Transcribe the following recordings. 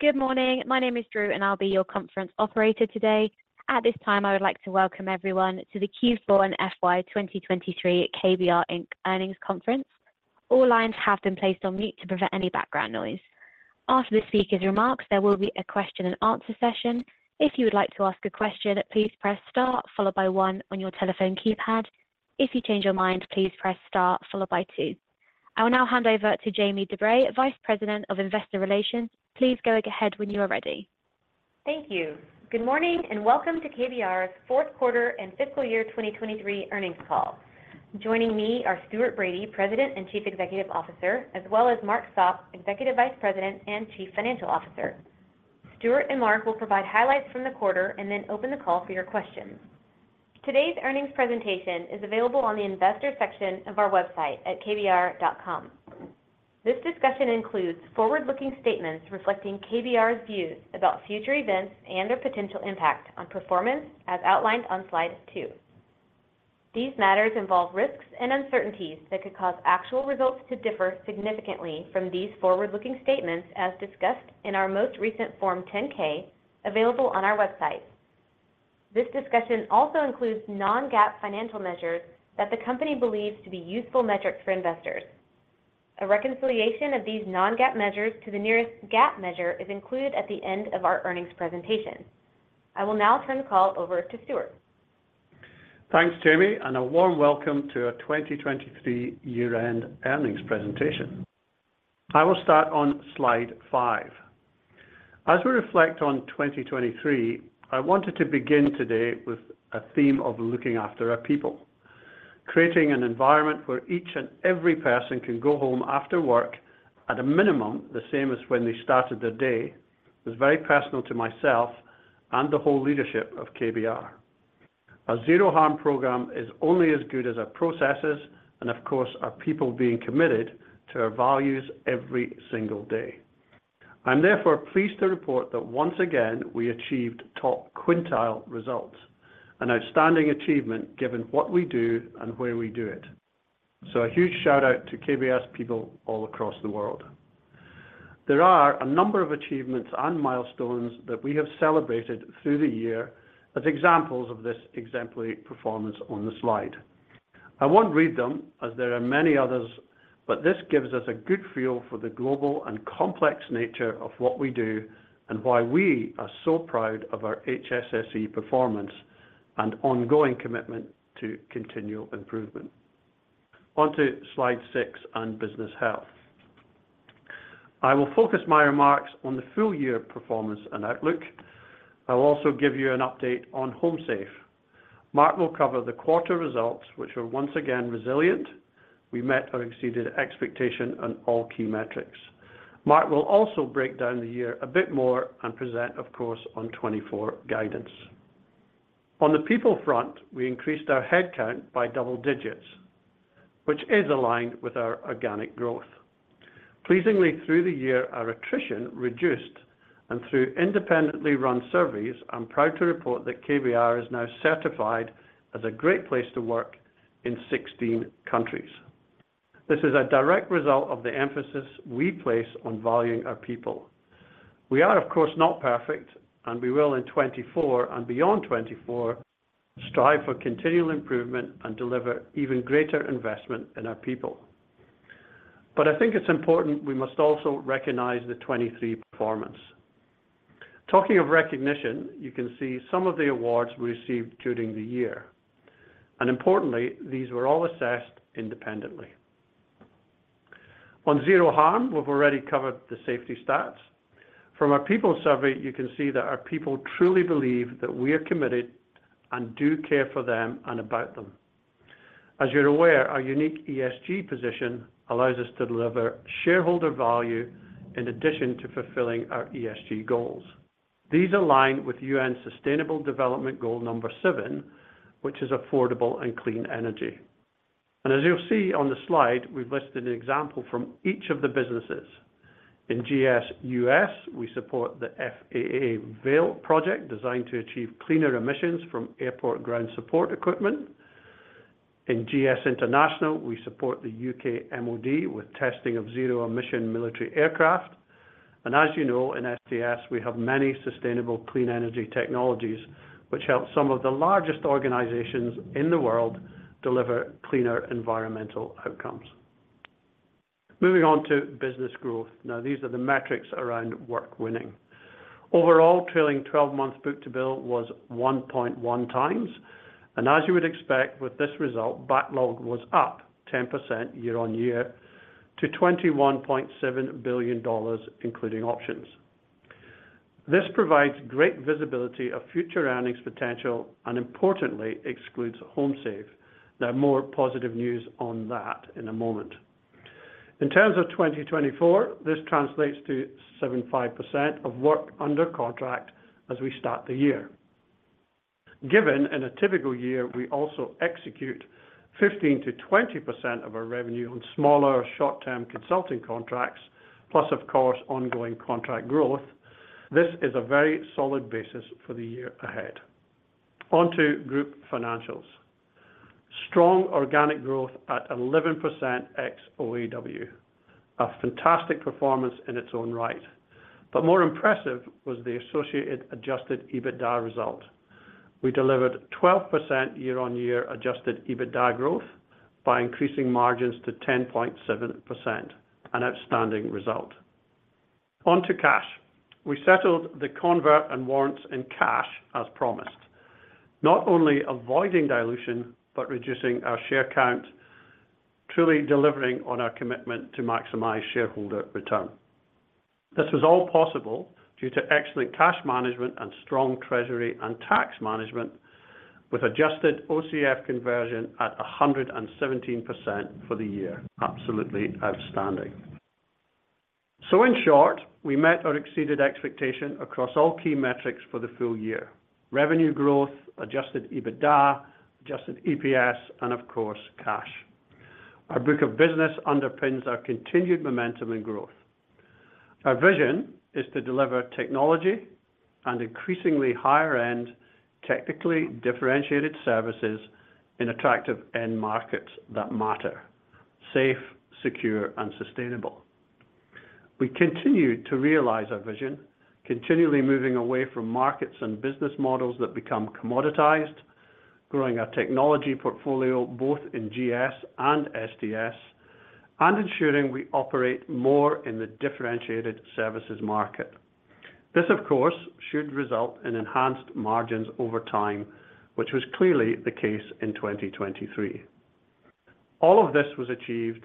Good morning. My name is Drew, and I'll be your conference operator today. At this time, I would like to welcome everyone to the Q4 and FY 2023 KBR, Inc. earnings conference. All lines have been placed on mute to prevent any background noise. After the speaker's remarks, there will be a question-and-answer session. If you would like to ask a question, please press star followed by one on your telephone keypad. If you change your mind, please press star followed by two. I will now hand over to Jamie DuBray, Vice President of Investor Relations. Please go ahead when you are ready. Thank you. Good morning and welcome to KBR's fourth quarter and fiscal year 2023 earnings call. Joining me are Stuart Bradie, President and Chief Executive Officer, as well as Mark Sopp, Executive Vice President and Chief Financial Officer. Stuart and Mark will provide highlights from the quarter and then open the call for your questions. Today's earnings presentation is available on the Investor section of our website at kbr.com. This discussion includes forward-looking statements reflecting KBR's views about future events and their potential impact on performance, as outlined on slide two. These matters involve risks and uncertainties that could cause actual results to differ significantly from these forward-looking statements as discussed in our most recent Form 10-K available on our website. This discussion also includes non-GAAP financial measures that the company believes to be useful metrics for investors. A reconciliation of these non-GAAP measures to the nearest GAAP measure is included at the end of our earnings presentation. I will now turn the call over to Stuart. Thanks, Jamie, and a warm welcome to a 2023 year-end earnings presentation. I will start on slide five. As we reflect on 2023, I wanted to begin today with a theme of looking after our people. Creating an environment where each and every person can go home after work at a minimum the same as when they started their day was very personal to myself and the whole leadership of KBR. A zero-harm program is only as good as our processes and, of course, our people being committed to our values every single day. I'm therefore pleased to report that once again we achieved top quintile results, an outstanding achievement given what we do and where we do it. A huge shout-out to KBR's people all across the world. There are a number of achievements and milestones that we have celebrated through the year as examples of this exemplary performance on the slide. I won't read them as there are many others, but this gives us a good feel for the global and complex nature of what we do and why we are so proud of our HSSE performance and ongoing commitment to continual improvement. Onto slide six and business health. I will focus my remarks on the full-year performance and outlook. I'll also give you an update on HomeSafe. Mark will cover the quarter results, which were once again resilient. We met or exceeded expectation on all key metrics. Mark will also break down the year a bit more and present, of course, on 2024 guidance. On the people front, we increased our headcount by double digits, which is aligned with our organic growth. Pleasingly, through the year, our attrition reduced, and through independently run surveys, I'm proud to report that KBR is now certified as a great place to work in 16 countries. This is a direct result of the emphasis we place on valuing our people. We are, of course, not perfect, and we will in 2024 and beyond 2024 strive for continual improvement and deliver even greater investment in our people. But I think it's important we must also recognize the 2023 performance. Talking of recognition, you can see some of the awards we received during the year. And importantly, these were all assessed independently. On zero-harm, we've already covered the safety stats. From our people survey, you can see that our people truly believe that we are committed and do care for them and about them. As you're aware, our unique ESG position allows us to deliver shareholder value in addition to fulfilling our ESG goals. These align with UN Sustainable Development Goal Seven, which is affordable and clean energy. As you'll see on the slide, we've listed an example from each of the businesses. In GS U.S., we support the FAA VALE project designed to achieve cleaner emissions from airport ground support equipment. In GS International, we support the U.K. MOD with testing of zero-emission military aircraft. As you know, in STS, we have many sustainable clean energy technologies, which help some of the largest organizations in the world deliver cleaner environmental outcomes. Moving on to business growth. Now, these are the metrics around work winning. Overall, trailing 12-month book-to-bill was 1.1x. As you would expect, with this result, backlog was up 10% year-on-year to $21.7 billion, including options. This provides great visibility of future earnings potential and, importantly, excludes HomeSafe. There are more positive news on that in a moment. In terms of 2024, this translates to 75% of work under contract as we start the year. Given in a typical year, we also execute 15%-20% of our revenue on smaller short-term consulting contracts, plus, of course, ongoing contract growth. This is a very solid basis for the year ahead. Onto group financials. Strong organic growth at 11% ex-OAW, a fantastic performance in its own right. But more impressive was the associated Adjusted EBITDA result. We delivered 12% year-on-year Adjusted EBITDA growth by increasing margins to 10.7%, an outstanding result. Onto cash. We settled the convert and warrants in cash, as promised, not only avoiding dilution but reducing our share count, truly delivering on our commitment to maximize shareholder return. This was all possible due to excellent cash management and strong treasury and tax management, with adjusted OCF conversion at 117% for the year. Absolutely outstanding. So in short, we met or exceeded expectation across all key metrics for the full year: revenue growth, adjusted EBITDA, adjusted EPS, and, of course, cash. Our book of business underpins our continued momentum and growth. Our vision is to deliver technology and increasingly higher-end, technically differentiated services in attractive end markets that matter: safe, secure, and sustainable. We continue to realize our vision, continually moving away from markets and business models that become commoditized, growing our technology portfolio both in GS and STS, and ensuring we operate more in the differentiated services market. This, of course, should result in enhanced margins over time, which was clearly the case in 2023. All of this was achieved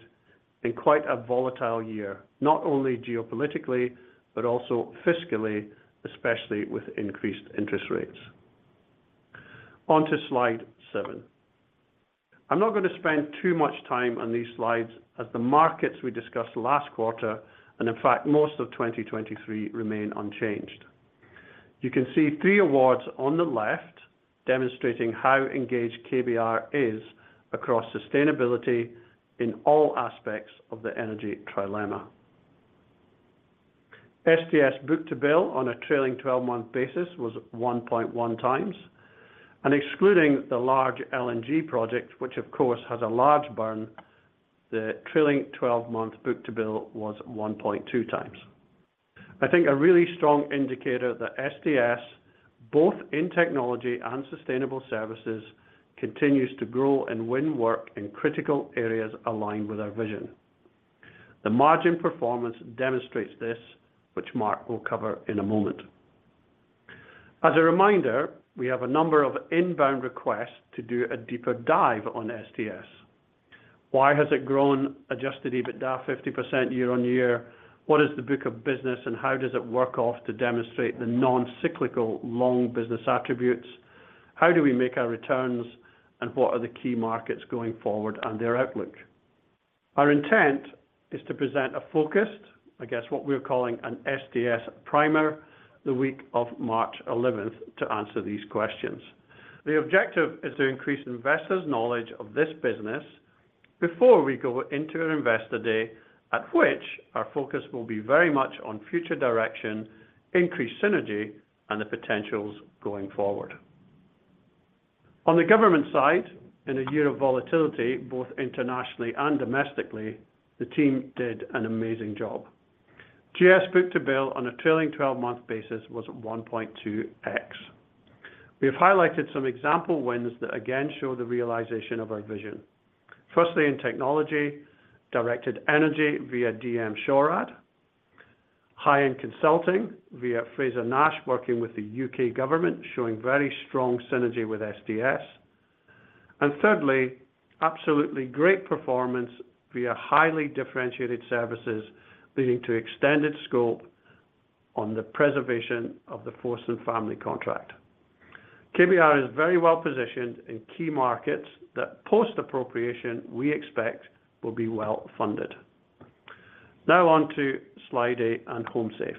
in quite a volatile year, not only geopolitically but also fiscally, especially with increased interest rates. Onto slide seven. I'm not going to spend too much time on these slides as the markets we discussed last quarter and, in fact, most of 2023 remain unchanged. You can see three awards on the left demonstrating how engaged KBR is across sustainability in all aspects of the Energy Trilemma. STS book-to-bill on a trailing 12-month basis was 1.1 times. And excluding the large LNG project, which, of course, has a large burn, the trailing 12-month book-to-bill was 1.2 times. I think a really strong indicator that STS, both in technology and sustainable services, continues to grow and win work in critical areas aligned with our vision. The margin performance demonstrates this, which Mark will cover in a moment. As a reminder, we have a number of inbound requests to do a deeper dive on STS. Why has it grown Adjusted EBITDA 50% year-over-year? What is the book of business, and how does it work off to demonstrate the non-cyclical long business attributes? How do we make our returns, and what are the key markets going forward and their outlook? Our intent is to present a focused, I guess what we're calling an STS primer, the week of March 11th, to answer these questions. The objective is to increase investors' knowledge of this business before we go into an investor day, at which our focus will be very much on future direction, increased synergy, and the potentials going forward. On the government side, in a year of volatility, both internationally and domestically, the team did an amazing job. GS book-to-bill on a trailing 12-month basis was 1.2x. We have highlighted some example wins that again show the realization of our vision. Firstly, in technology, directed energy via DE M-SHORAD. High-end consulting via Frazer-Nash working with the U.K. government, showing very strong synergy with STS. And thirdly, absolutely great performance via highly differentiated services leading to extended scope on the Preservation of the Force and Family contract. KBR is very well positioned in key markets that, post-appropriation, we expect will be well funded. Now onto slide eight and HomeSafe.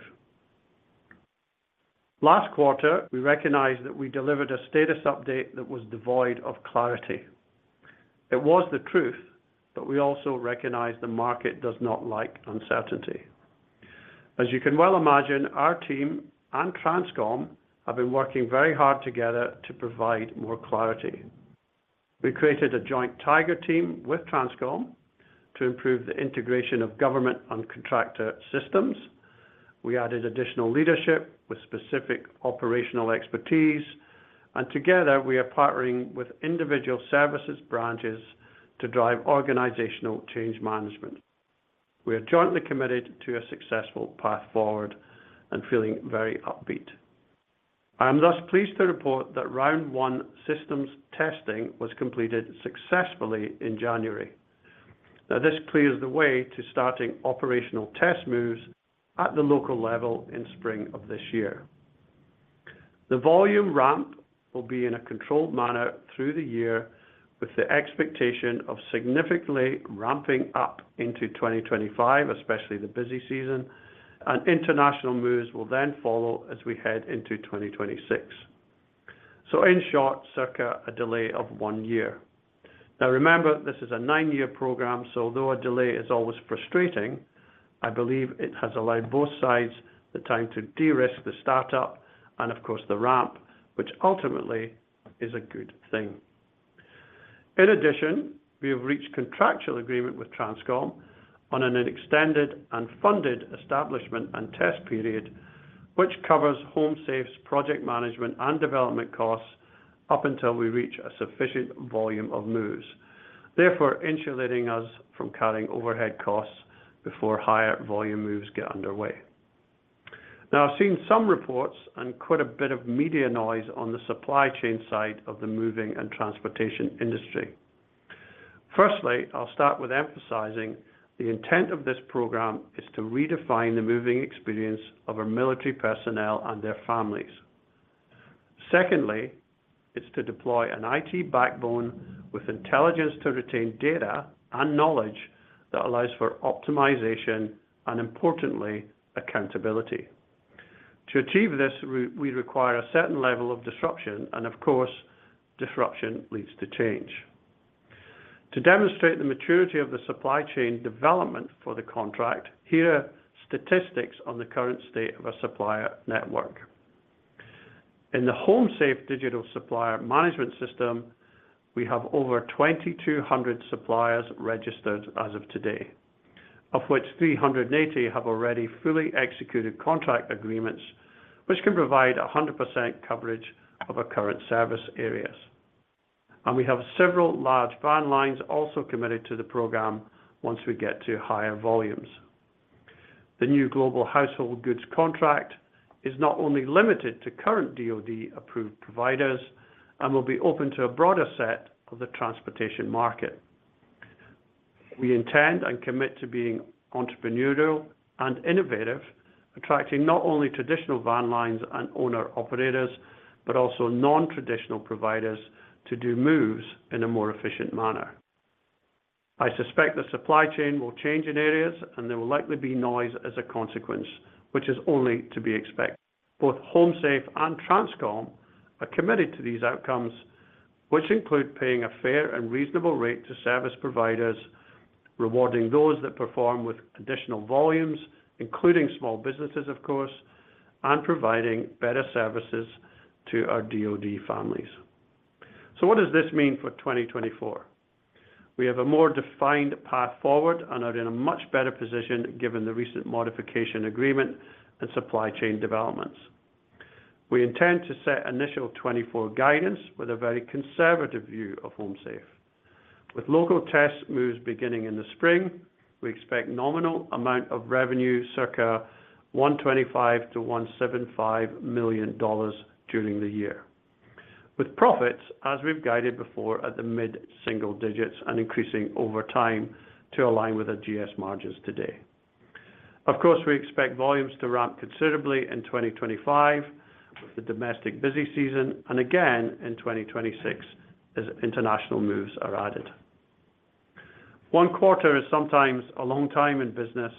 Last quarter, we recognize that we delivered a status update that was devoid of clarity. It was the truth, but we also recognize the market does not like uncertainty. As you can well imagine, our team and Transcom have been working very hard together to provide more clarity. We created a joint TIGER team with Transcom to improve the integration of government and contractor systems. We added additional leadership with specific operational expertise. Together, we are partnering with individual services branches to drive organizational change management. We are jointly committed to a successful path forward and feeling very upbeat. I am thus pleased to report that round one systems testing was completed successfully in January. Now, this clears the way to starting operational test moves at the local level in spring of this year. The volume ramp will be in a controlled manner through the year, with the expectation of significantly ramping up into 2025, especially the busy season. International moves will then follow as we head into 2026. In short, circa a delay of one year. Now, remember, this is a nine-year program, so although a delay is always frustrating, I believe it has allowed both sides the time to de-risk the startup and, of course, the ramp, which ultimately is a good thing. In addition, we have reached contractual agreement with Transcom on an extended and funded establishment and test period, which covers HomeSafe's project management and development costs up until we reach a sufficient volume of moves, therefore insulating us from carrying overhead costs before higher volume moves get underway. Now, I've seen some reports and quite a bit of media noise on the supply chain side of the moving and transportation industry. Firstly, I'll start with emphasizing the intent of this program is to redefine the moving experience of our military personnel and their families. Secondly, it's to deploy an IT backbone with intelligence to retain data and knowledge that allows for optimization and, importantly, accountability. To achieve this, we require a certain level of disruption, and, of course, disruption leads to change. To demonstrate the maturity of the supply chain development for the contract, here are statistics on the current state of our supplier network. In the HomeSafe digital supplier management system, we have over 2,200 suppliers registered as of today, of which 380 have already fully executed contract agreements, which can provide 100% coverage of our current service areas. And we have several large van lines also committed to the program once we get to higher volumes. The new global household goods contract is not only limited to current DoD-approved providers and will be open to a broader set of the transportation market. We intend and commit to being entrepreneurial and innovative, attracting not only traditional van lines and owner-operators but also non-traditional providers to do moves in a more efficient manner. I suspect the supply chain will change in areas, and there will likely be noise as a consequence, which is only to be expected. Both HomeSafe and Transcom are committed to these outcomes, which include paying a fair and reasonable rate to service providers, rewarding those that perform with additional volumes, including small businesses, of course, and providing better services to our DoD families. So what does this mean for 2024? We have a more defined path forward and are in a much better position given the recent modification agreement and supply chain developments. We intend to set initial 2024 guidance with a very conservative view of HomeSafe. With local test moves beginning in the spring, we expect nominal amount of revenue, circa $125 million-$175 million, during the year, with profits, as we've guided before, at the mid-single digits and increasing over time to align with our GS margins today. Of course, we expect volumes to ramp considerably in 2025 with the domestic busy season and, again, in 2026 as international moves are added. One quarter is sometimes a long time in business,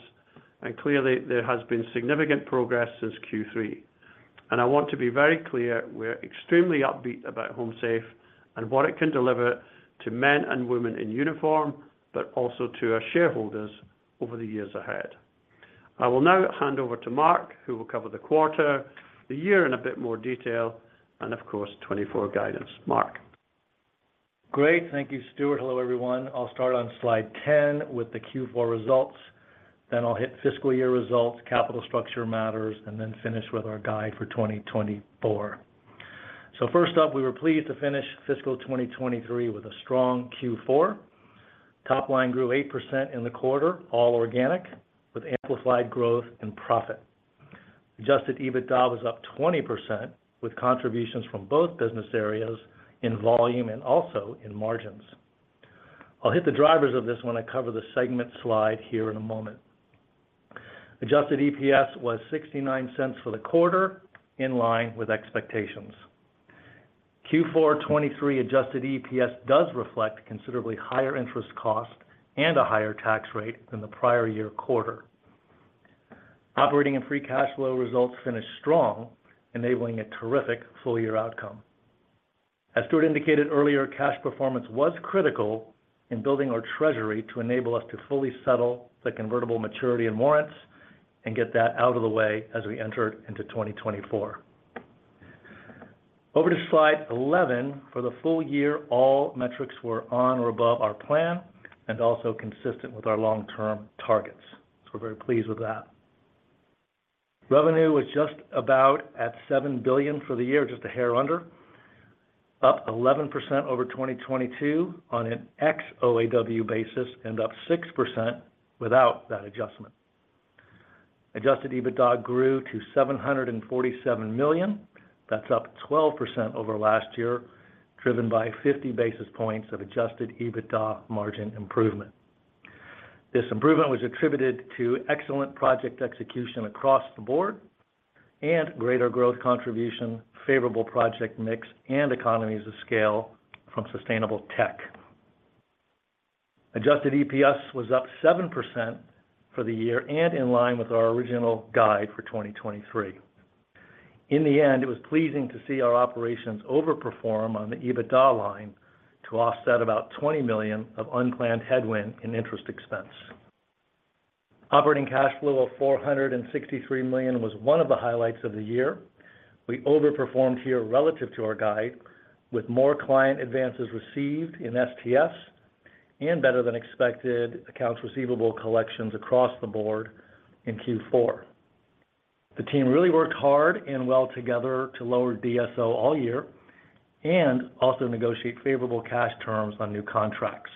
and clearly, there has been significant progress since Q3. And I want to be very clear: we're extremely upbeat about HomeSafe and what it can deliver to men and women in uniform but also to our shareholders over the years ahead. I will now hand over to Mark, who will cover the quarter, the year in a bit more detail, and, of course, 2024 guidance. Mark. Great. Thank you, Stuart. Hello, everyone. I'll start on slide 10 with the Q4 results. Then I'll hit fiscal year results, capital structure matters, and then finish with our guide for 2024. So first up, we were pleased to finish fiscal 2023 with a strong Q4. Top line grew 8% in the quarter, all organic, with amplified growth and profit. Adjusted EBITDA was up 20% with contributions from both business areas in volume and also in margins. I'll hit the drivers of this when I cover the segment slide here in a moment. Adjusted EPS was $0.69 for the quarter, in line with expectations. Q4 2023 adjusted EPS does reflect considerably higher interest costs and a higher tax rate than the prior year quarter. Operating and free cash flow results finished strong, enabling a terrific full-year outcome. As Stuart indicated earlier, cash performance was critical in building our treasury to enable us to fully settle the convertible maturity and warrants and get that out of the way as we entered into 2024. Over to slide 11. For the full year, all metrics were on or above our plan and also consistent with our long-term targets. So we're very pleased with that. Revenue was just about at $7 billion for the year, just a hair under, up 11% over 2022 on an ex-OAW basis and up 6% without that adjustment. Adjusted EBITDA grew to $747 million. That's up 12% over last year, driven by 50 basis points of adjusted EBITDA margin improvement. This improvement was attributed to excellent project execution across the board and greater growth contribution, favorable project mix, and economies of scale from sustainable tech. Adjusted EPS was up 7% for the year and in line with our original guide for 2023. In the end, it was pleasing to see our operations overperform on the EBITDA line to offset about $20 million of unplanned headwind in interest expense. Operating cash flow of $463 million was one of the highlights of the year. We overperformed here relative to our guide, with more client advances received in STS and better-than-expected accounts receivable collections across the board in Q4. The team really worked hard and well together to lower DSO all year and also negotiate favorable cash terms on new contracts.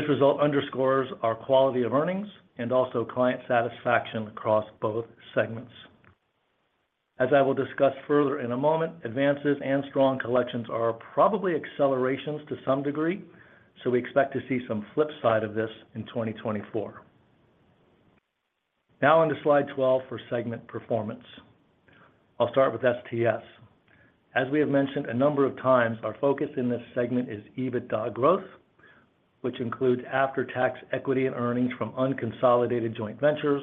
This result underscores our quality of earnings and also client satisfaction across both segments. As I will discuss further in a moment, advances and strong collections are probably accelerations to some degree, so we expect to see some flip side of this in 2024. Now onto slide 12 for segment performance. I'll start with STS. As we have mentioned a number of times, our focus in this segment is EBITDA growth, which includes after-tax equity and earnings from unconsolidated joint ventures,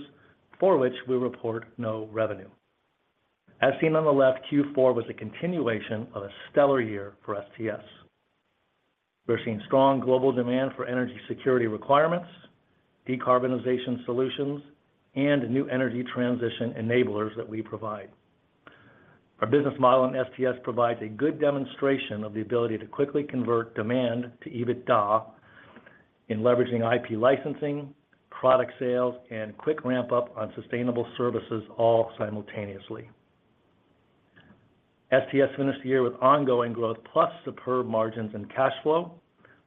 for which we report no revenue. As seen on the left, Q4 was a continuation of a stellar year for STS. We're seeing strong global demand for energy security requirements, decarbonization solutions, and new energy transition enablers that we provide. Our business model in STS provides a good demonstration of the ability to quickly convert demand to EBITDA in leveraging IP licensing, product sales, and quick ramp-up on sustainable services all simultaneously. STS finished the year with ongoing growth plus superb margins and cash flow,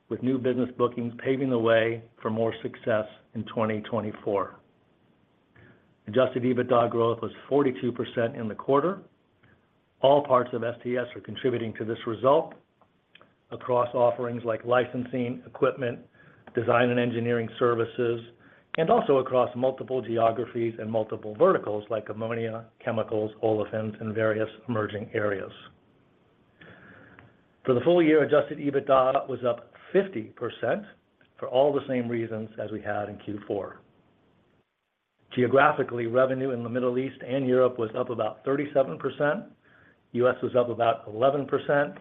with new business bookings paving the way for more success in 2024. Adjusted EBITDA growth was 42% in the quarter. All parts of STS are contributing to this result across offerings like licensing, equipment, design and engineering services, and also across multiple geographies and multiple verticals like ammonia, chemicals, olefins, and various emerging areas. For the full year, Adjusted EBITDA was up 50% for all the same reasons as we had in Q4. Geographically, revenue in the Middle East and Europe was up about 37%. U.S. was up about 11%.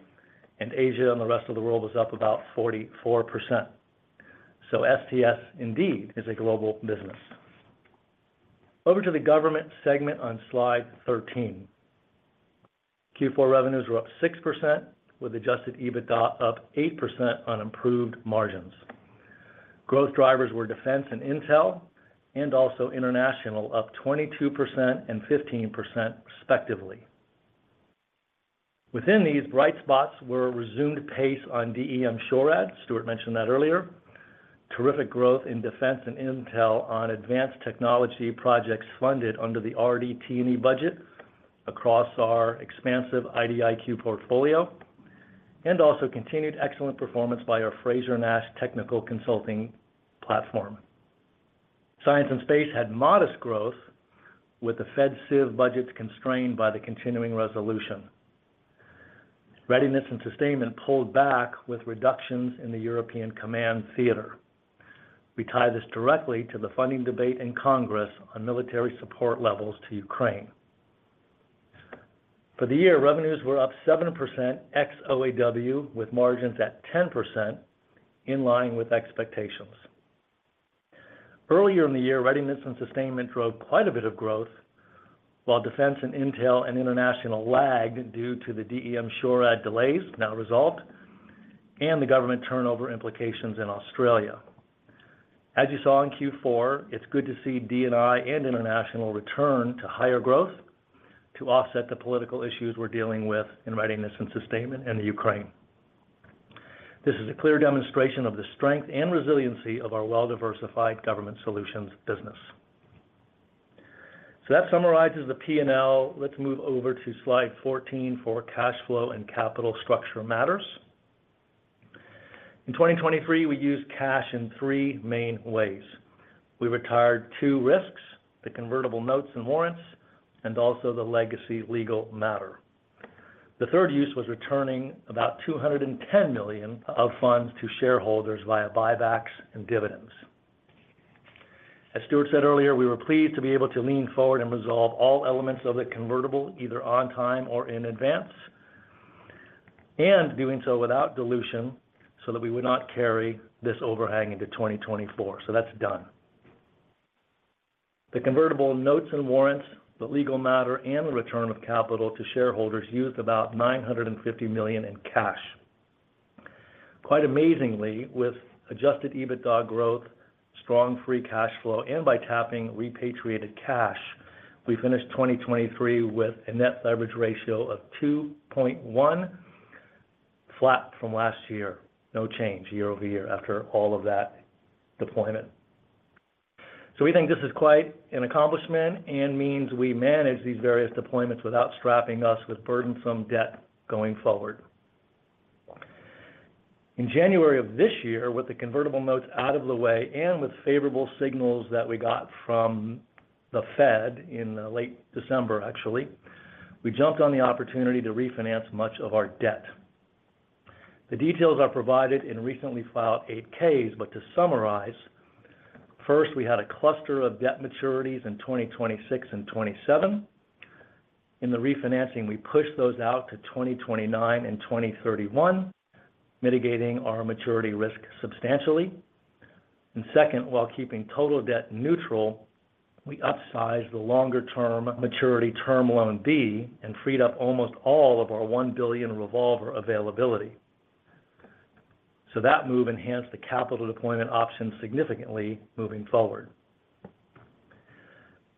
Asia and the rest of the world was up about 44%. STS, indeed, is a global business. Over to the government segment on slide 13. Q4 revenues were up 6%, with Adjusted EBITDA up 8% on improved margins. Growth drivers were defense and intel and also international, up 22% and 15%, respectively. Within these bright spots were resumed pace on DE M-SHORAD. Stuart mentioned that earlier. Terrific growth in defense and intel on advanced technology projects funded under the RDT&E budget across our expansive IDIQ portfolio. Also continued excellent performance by our Frazer-Nash Technical Consulting platform. Science and space had modest growth, with the Fed Civ budgets constrained by the continuing resolution. Readiness and sustainment pulled back with reductions in the European Command theater. We tie this directly to the funding debate in Congress on military support levels to Ukraine. For the year, revenues were up 7% ex-OAW, with margins at 10%, in line with expectations. Earlier in the year, readiness and sustainment drove quite a bit of growth, while defense and intel and international lagged due to the DE M-SHORAD delays, now resolved, and the government turnover implications in Australia. As you saw in Q4, it's good to see D&I and international return to higher growth to offset the political issues we're dealing with in readiness and sustainment and the Ukraine. This is a clear demonstration of the strength and resiliency of our well-diversified government solutions business. So that summarizes the P&L. Let's move over to slide 14 for cash flow and capital structure matters. In 2023, we used cash in three main ways. We retired two risks, the convertible notes and warrants, and also the legacy legal matter. The third use was returning about $210 million of funds to shareholders via buybacks and dividends. As Stuart said earlier, we were pleased to be able to lean forward and resolve all elements of the convertible either on time or in advance, and doing so without dilution so that we would not carry this overhang into 2024. So that's done. The Convertible Notes and warrants, the legal matter, and the return of capital to shareholders used about $950 million in cash. Quite amazingly, with Adjusted EBITDA growth, strong free cash flow, and by tapping repatriated cash, we finished 2023 with a net leverage ratio of 2.1, flat from last year, no change year over year after all of that deployment. So we think this is quite an accomplishment and means we manage these various deployments without strapping us with burdensome debt going forward. In January of this year, with the Convertible Notes out of the way and with favorable signals that we got from the Fed in late December, actually, we jumped on the opportunity to refinance much of our debt. The details are provided in recently filed 8-Ks. But to summarize, first, we had a cluster of debt maturities in 2026 and 2027. In the refinancing, we pushed those out to 2029 and 2031, mitigating our maturity risk substantially. And second, while keeping total debt neutral, we upsized the longer-term maturity term loan B and freed up almost all of our $1 billion revolver availability. So that move enhanced the capital deployment options significantly moving forward.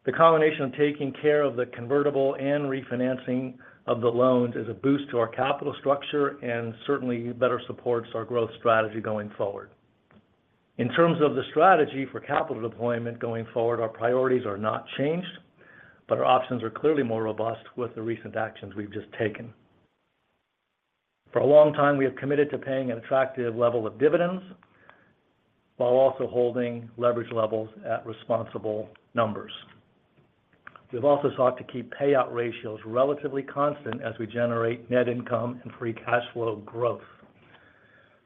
The combination of taking care of the convertible and refinancing of the loans is a boost to our capital structure and certainly better supports our growth strategy going forward. In terms of the strategy for capital deployment going forward, our priorities are not changed, but our options are clearly more robust with the recent actions we've just taken. For a long time, we have committed to paying an attractive level of dividends while also holding leverage levels at responsible numbers. We've also sought to keep payout ratios relatively constant as we generate net income and free cash flow growth.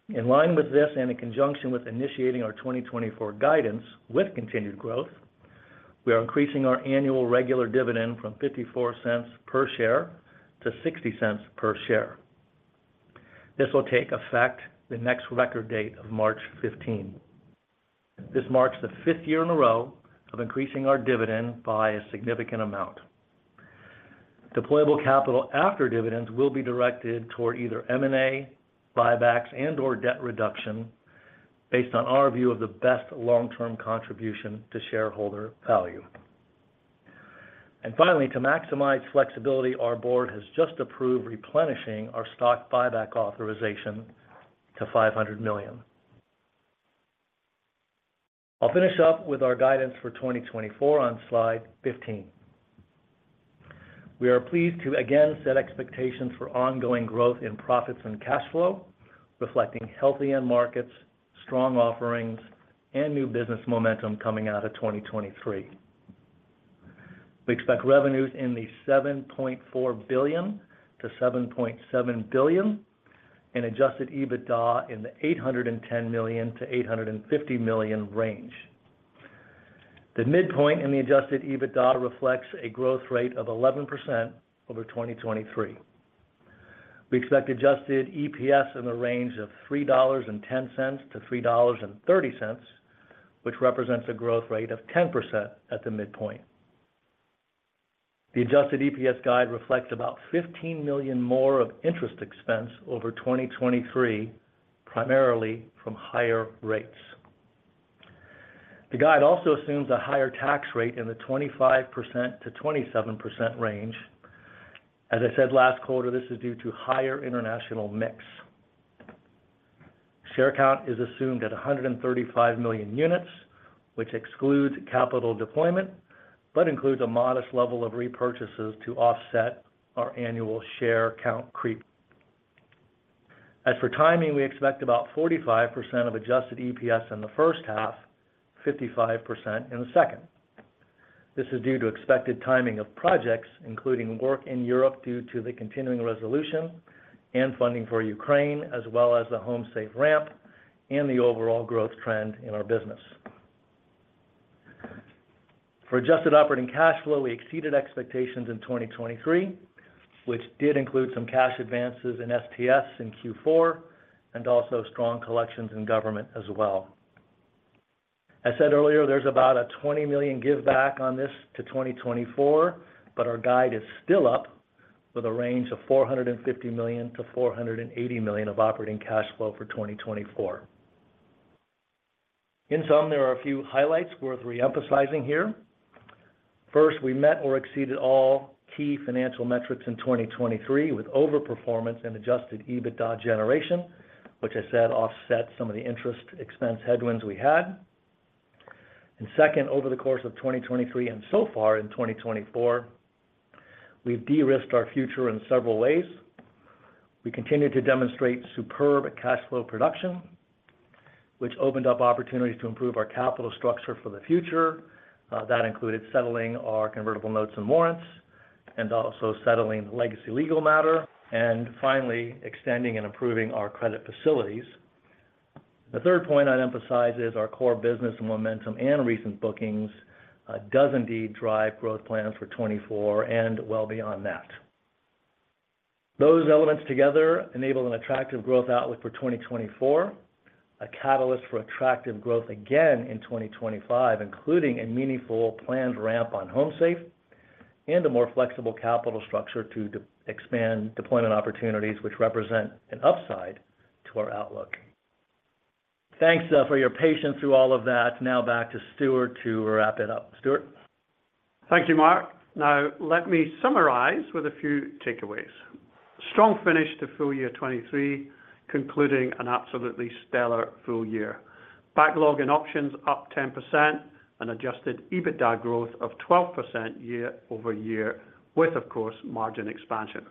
In line with this and in conjunction with initiating our 2024 guidance with continued growth, we are increasing our annual regular dividend from $0.54 per share to $0.60 per share. This will take effect the next record date of March 15. This marks the fifth year in a row of increasing our dividend by a significant amount. Deployable capital after dividends will be directed toward either M&A, buybacks, and/or debt reduction based on our view of the best long-term contribution to shareholder value. And finally, to maximize flexibility, our board has just approved replenishing our stock buyback authorization to $500 million. I'll finish up with our guidance for 2024 on slide 15. We are pleased to again set expectations for ongoing growth in profits and cash flow, reflecting healthy end markets, strong offerings, and new business momentum coming out of 2023. We expect revenues in the $7.4 billion-$7.7 billion and adjusted EBITDA in the $810 million-$850 million range. The midpoint in the adjusted EBITDA reflects a growth rate of 11% over 2023. We expect adjusted EPS in the range of $3.10-$3.30, which represents a growth rate of 10% at the midpoint. The adjusted EPS guide reflects about $15 million more of interest expense over 2023, primarily from higher rates. The guide also assumes a higher tax rate in the 25%-27% range. As I said last quarter, this is due to higher international mix. Share count is assumed at 135 million units, which excludes capital deployment but includes a modest level of repurchases to offset our annual share count creep. As for timing, we expect about 45% of adjusted EPS in the first half, 55% in the second. This is due to expected timing of projects, including work in Europe due to the continuing resolution and funding for Ukraine, as well as the HomeSafe ramp and the overall growth trend in our business. For adjusted operating cash flow, we exceeded expectations in 2023, which did include some cash advances in STS in Q4 and also strong collections in government as well. As said earlier, there's about a $20 million give-back on this to 2024, but our guide is still up with a range of $450 million-$480 million of operating cash flow for 2024. In sum, there are a few highlights worth reemphasizing here. First, we met or exceeded all key financial metrics in 2023 with overperformance in Adjusted EBITDA generation, which, as said, offsets some of the interest expense headwinds we had. Second, over the course of 2023 and so far in 2024, we've de-risked our future in several ways. We continue to demonstrate superb cash flow production, which opened up opportunities to improve our capital structure for the future. That included settling our convertible notes and warrants and also settling the legacy legal matter and finally extending and improving our credit facilities. The third point I'd emphasize is our core business momentum and recent bookings does, indeed, drive growth plans for 2024 and well beyond that. Those elements together enable an attractive growth outlook for 2024, a catalyst for attractive growth again in 2025, including a meaningful planned ramp on HomeSafe and a more flexible capital structure to expand deployment opportunities, which represent an upside to our outlook. Thanks for your patience through all of that. Now back to Stuart to wrap it up. Stuart? Thank you, Mark. Now, let me summarize with a few takeaways. Strong finish to full year 2023, concluding an absolutely stellar full year. Backlog in options up 10% and adjusted EBITDA growth of 12% year-over-year, with, of course, margin expansion.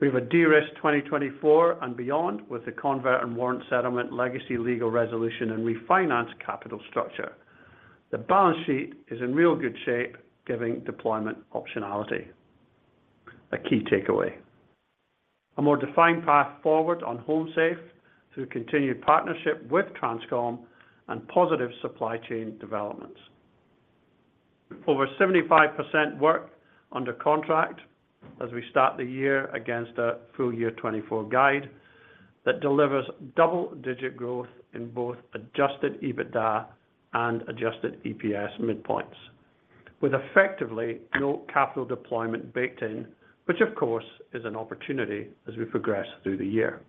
We have a de-risked 2024 and beyond with the convert and warrant settlement, legacy legal resolution, and refinanced capital structure. The balance sheet is in real good shape, giving deployment optionality, a key takeaway. A more defined path forward on HomeSafe through continued partnership with Transcom and positive supply chain developments. Over 75% work under contract as we start the year against a full year 2024 guide that delivers double-digit growth in both adjusted EBITDA and adjusted EPS midpoints, with effectively no capital deployment baked in, which, of course, is an opportunity as we progress through the year.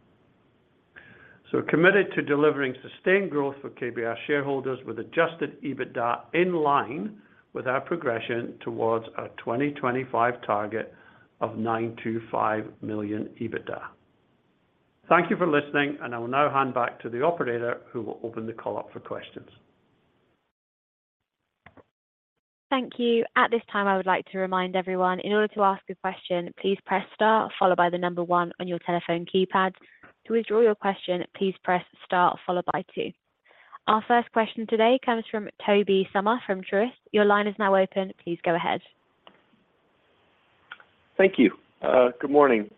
So committed to delivering sustained growth for KBR shareholders with adjusted EBITDA in line with our progression towards our 2025 target of $925 million EBITDA. Thank you for listening, and I will now hand back to the operator, who will open the call up for questions. Thank you. At this time, I would like to remind everyone, in order to ask a question, please press star, followed by the number one on your telephone keypad. To withdraw your question, please press star, followed by two. Our first question today comes from Tobey Sommer from Truist. Your line is now open. Please go ahead. Thank you. Good morning.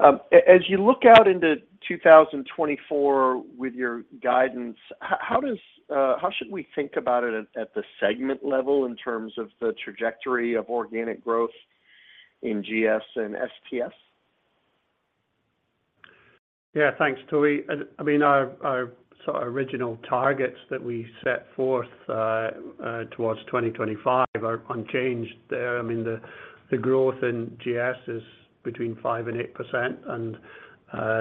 As you look out into 2024 with your guidance, how should we think about it at the segment level in terms of the trajectory of organic growth in GS and STS? Yeah, thanks, Toby. I mean, our sort of original targets that we set forth towards 2025 are unchanged there. I mean, the growth in GS is between 5%-8%, and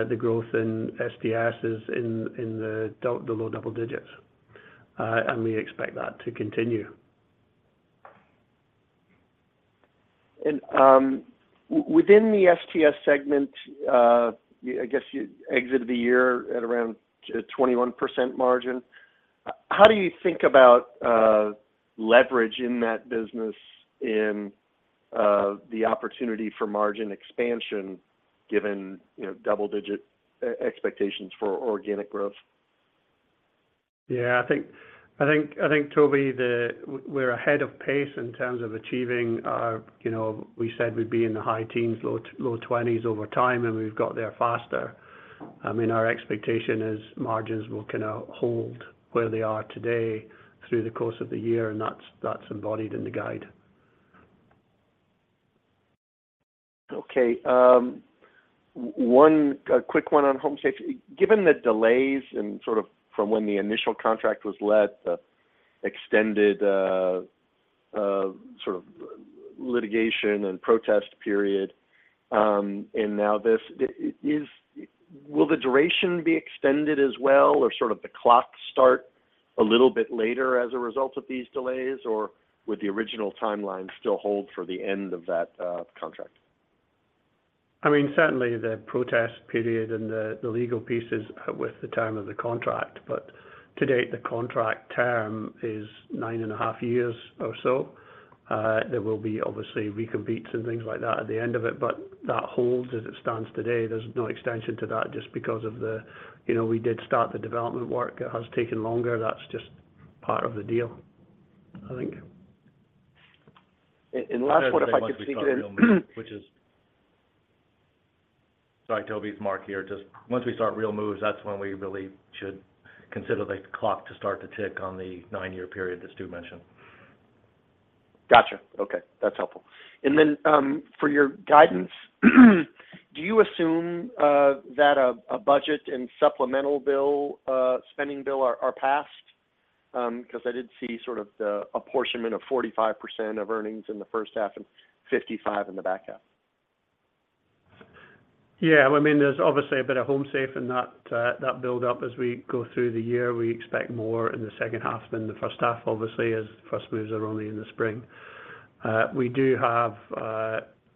the growth in STS is in the low double digits. And we expect that to continue. And within the STS segment, I guess you exited the year at around a 21% margin. How do you think about leverage in that business in the opportunity for margin expansion given double-digit expectations for organic growth? Yeah, I think, Toby, we're ahead of pace in terms of achieving our we said we'd be in the high teens, low 20s over time, and we've got there faster. I mean, our expectation is margins will kind of hold where they are today through the course of the year, and that's embodied in the guide. Okay. One quick one on HomeSafe. Given the delays and sort of from when the initial contract was led, the extended sort of litigation and protest period, and now this, will the duration be extended as well, or sort of the clock start a little bit later as a result of these delays, or would the original timeline still hold for the end of that contract? I mean, certainly the protest period and the legal pieces with the time of the contract. But to date, the contract term is 9.5 years or so. There will be, obviously, recompetes and things like that at the end of it, but that holds as it stands today. There's no extension to that just because of the we did start the development work. It has taken longer. That's just part of the deal, I think. And last word, if I could sneak it in. Sorry, Toby. It's Mark here. Just once we start real moves, that's when we really should consider the clock to start to tick on the nine-year period that Stu mentioned. Gotcha. Okay. That's helpful. And then for your guidance, do you assume that a budget and supplemental spending bill are passed? Because I did see sort of the apportionment of 45% of earnings in the first half and 55% in the back half. Yeah. I mean, there's obviously a bit of HomeSafe in that buildup. As we go through the year, we expect more in the second half than the first half, obviously, as first moves are only in the spring. We do have.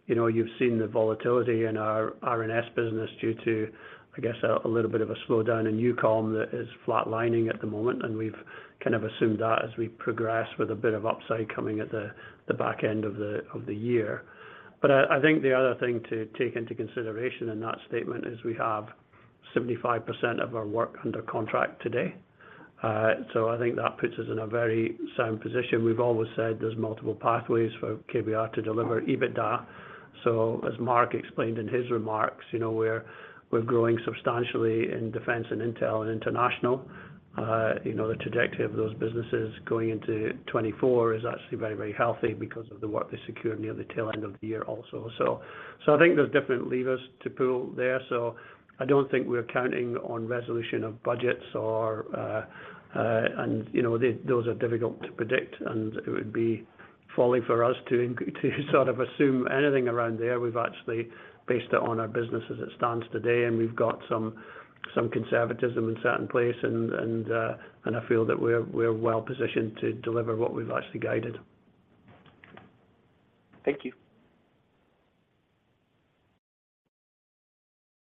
You've seen the volatility in our R&S business due to, I guess, a little bit of a slowdown in EUCOM that is flatlining at the moment. We've kind of assumed that as we progress with a bit of upside coming at the back end of the year. I think the other thing to take into consideration in that statement is we have 75% of our work under contract today. I think that puts us in a very sound position. We've always said there's multiple pathways for KBR to deliver EBITDA. As Mark explained in his remarks, we're growing substantially in defense and intel and international. The trajectory of those businesses going into 2024 is actually very, very healthy because of the work they secured near the tail end of the year also. So I think there's different levers to pull there. So I don't think we're counting on resolution of budgets or and those are difficult to predict, and it would be falling for us to sort of assume anything around there. We've actually based it on our business as it stands today, and we've got some conservatism in certain place. And I feel that we're well positioned to deliver what we've actually guided. Thank you.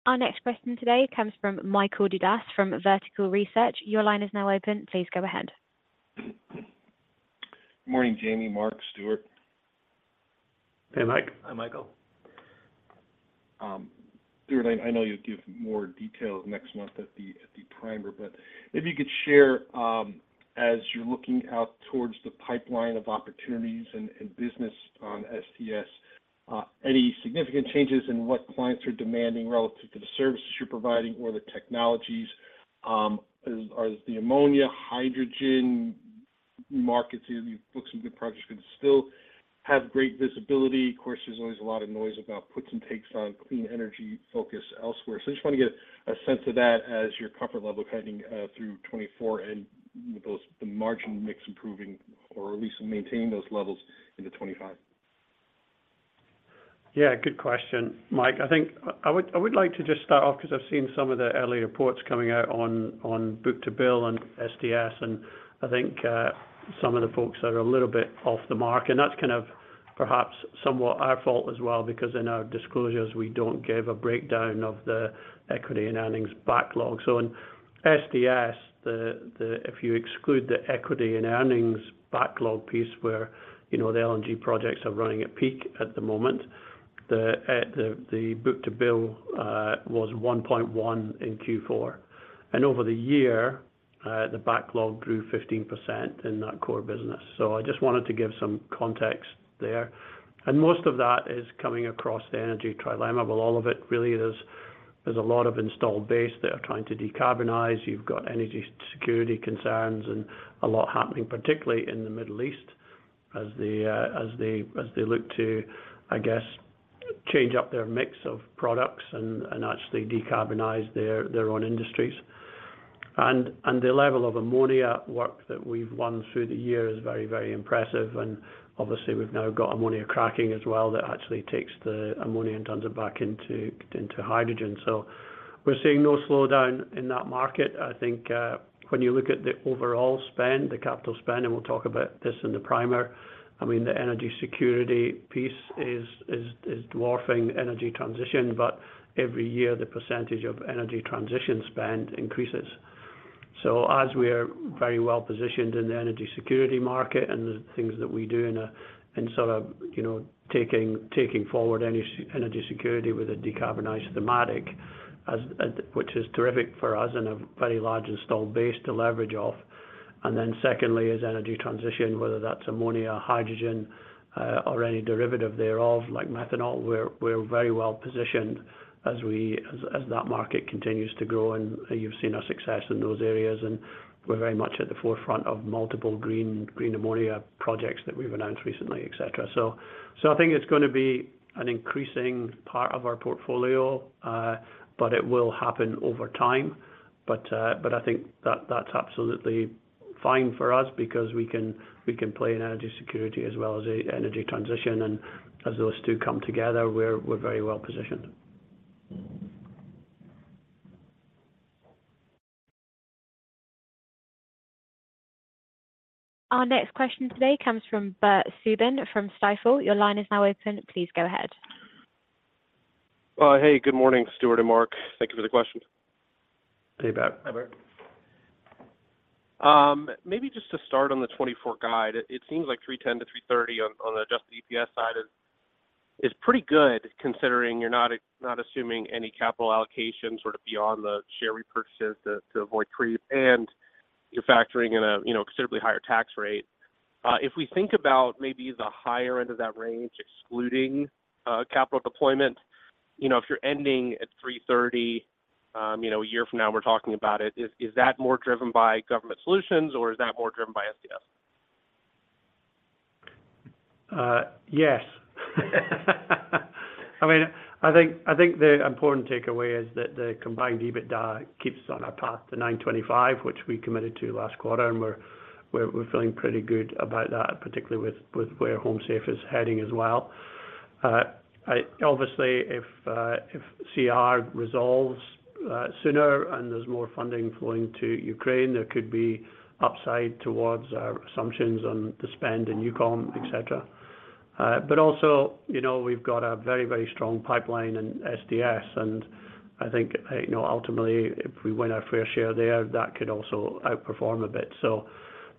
Our next question today comes from Michael Dudas from Vertical Research Partners. Your line is now open. Please go ahead. Good morning, Jamie, Mark, Stuart. Hey, Mike. Hi, Michael. Stuart, I know you'll give more details next month at the primer, but maybe you could share, as you're looking out towards the pipeline of opportunities and business on STS, any significant changes in what clients are demanding relative to the services you're providing or the technologies? Are the ammonia, hydrogen markets you've booked some good projects could still have great visibility? Of course, there's always a lot of noise about puts and takes on clean energy focus elsewhere. So I just want to get a sense of that as your comfort level heading through 2024 and with the margin mix improving or at least maintaining those levels into 2025. Yeah, good question, Mike. I think I would like to just start off because I've seen some of the early reports coming out on book-to-bill and STS, and I think some of the folks are a little bit off the mark. And that's kind of perhaps somewhat our fault as well because in our disclosures, we don't give a breakdown of the equity and earnings backlog. So in STS, if you exclude the equity and earnings backlog piece where the LNG projects are running at peak at the moment, the book-to-bill was 1.1 in Q4. And over the year, the backlog grew 15% in that core business. So I just wanted to give some context there. And most of that is coming across the Energy Trilemma. Well, all of it, really, there's a lot of installed base that are trying to decarbonize. You've got energy security concerns and a lot happening, particularly in the Middle East, as they look to, I guess, change up their mix of products and actually decarbonize their own industries. And the level of ammonia work that we've won through the year is very, very impressive. And obviously, we've now got Ammonia Cracking as well that actually takes the ammonia and turns it back into hydrogen. So we're seeing no slowdown in that market. I think when you look at the overall spend, the capital spend, and we'll talk about this in the primer, I mean, the energy security piece is dwarfing energy transition, but every year, the percentage of energy transition spend increases. So as we are very well positioned in the energy security market and the things that we do in sort of taking forward energy security with a decarbonized thematic, which is terrific for us and a very large installed base to leverage off. And then secondly is energy transition, whether that's ammonia, hydrogen, or any derivative thereof like methanol. We're very well positioned as that market continues to grow. And you've seen our success in those areas, and we're very much at the forefront of multiple green ammonia projects that we've announced recently, etc. So I think it's going to be an increasing part of our portfolio, but it will happen over time. But I think that's absolutely fine for us because we can play in energy security as well as energy transition. And as those two come together, we're very well positioned. Our next question today comes from Bert Subin from Stifel. Your line is now open. Please go ahead. Hey, good morning, Stuart and Mark. Thank you for the question. Hey, Bert. Hi, Bert. Maybe just to start on the 2024 guide, it seems like $3.10-$3.30 on the Adjusted EPS side is pretty good considering you're not assuming any capital allocation sort of beyond the share repurchases to avoid creep and you're factoring in a considerably higher tax rate. If we think about maybe the higher end of that range, excluding capital deployment, if you're ending at $3.30 a year from now, we're talking about it, is that more driven by Government Solutions, or is that more driven by STS? Yes. I mean, I think the important takeaway is that the combined EBITDA keeps on our path to $925, which we committed to last quarter, and we're feeling pretty good about that, particularly with where HomeSafe is heading as well. Obviously, if CR resolves sooner and there's more funding flowing to Ukraine, there could be upside towards our assumptions on the spend in EUCOM, etc. But also, we've got a very, very strong pipeline in STS. And I think ultimately, if we win our fair share there, that could also outperform a bit.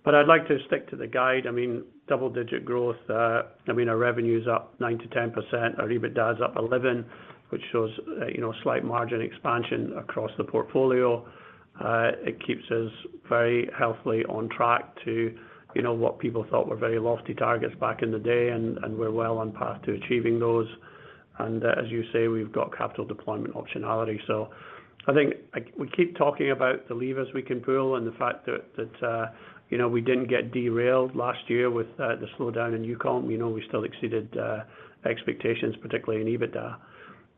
But I'd like to stick to the guide. I mean, double-digit growth. I mean, our revenue's up 9%-10%. Our EBITDA is up 11%, which shows slight margin expansion across the portfolio. It keeps us very healthily on track to what people thought were very lofty targets back in the day, and we're well on path to achieving those. As you say, we've got capital deployment optionality. I think we keep talking about the levers we can pull and the fact that we didn't get derailed last year with the slowdown in EUCOM. We still exceeded expectations, particularly in EBITDA.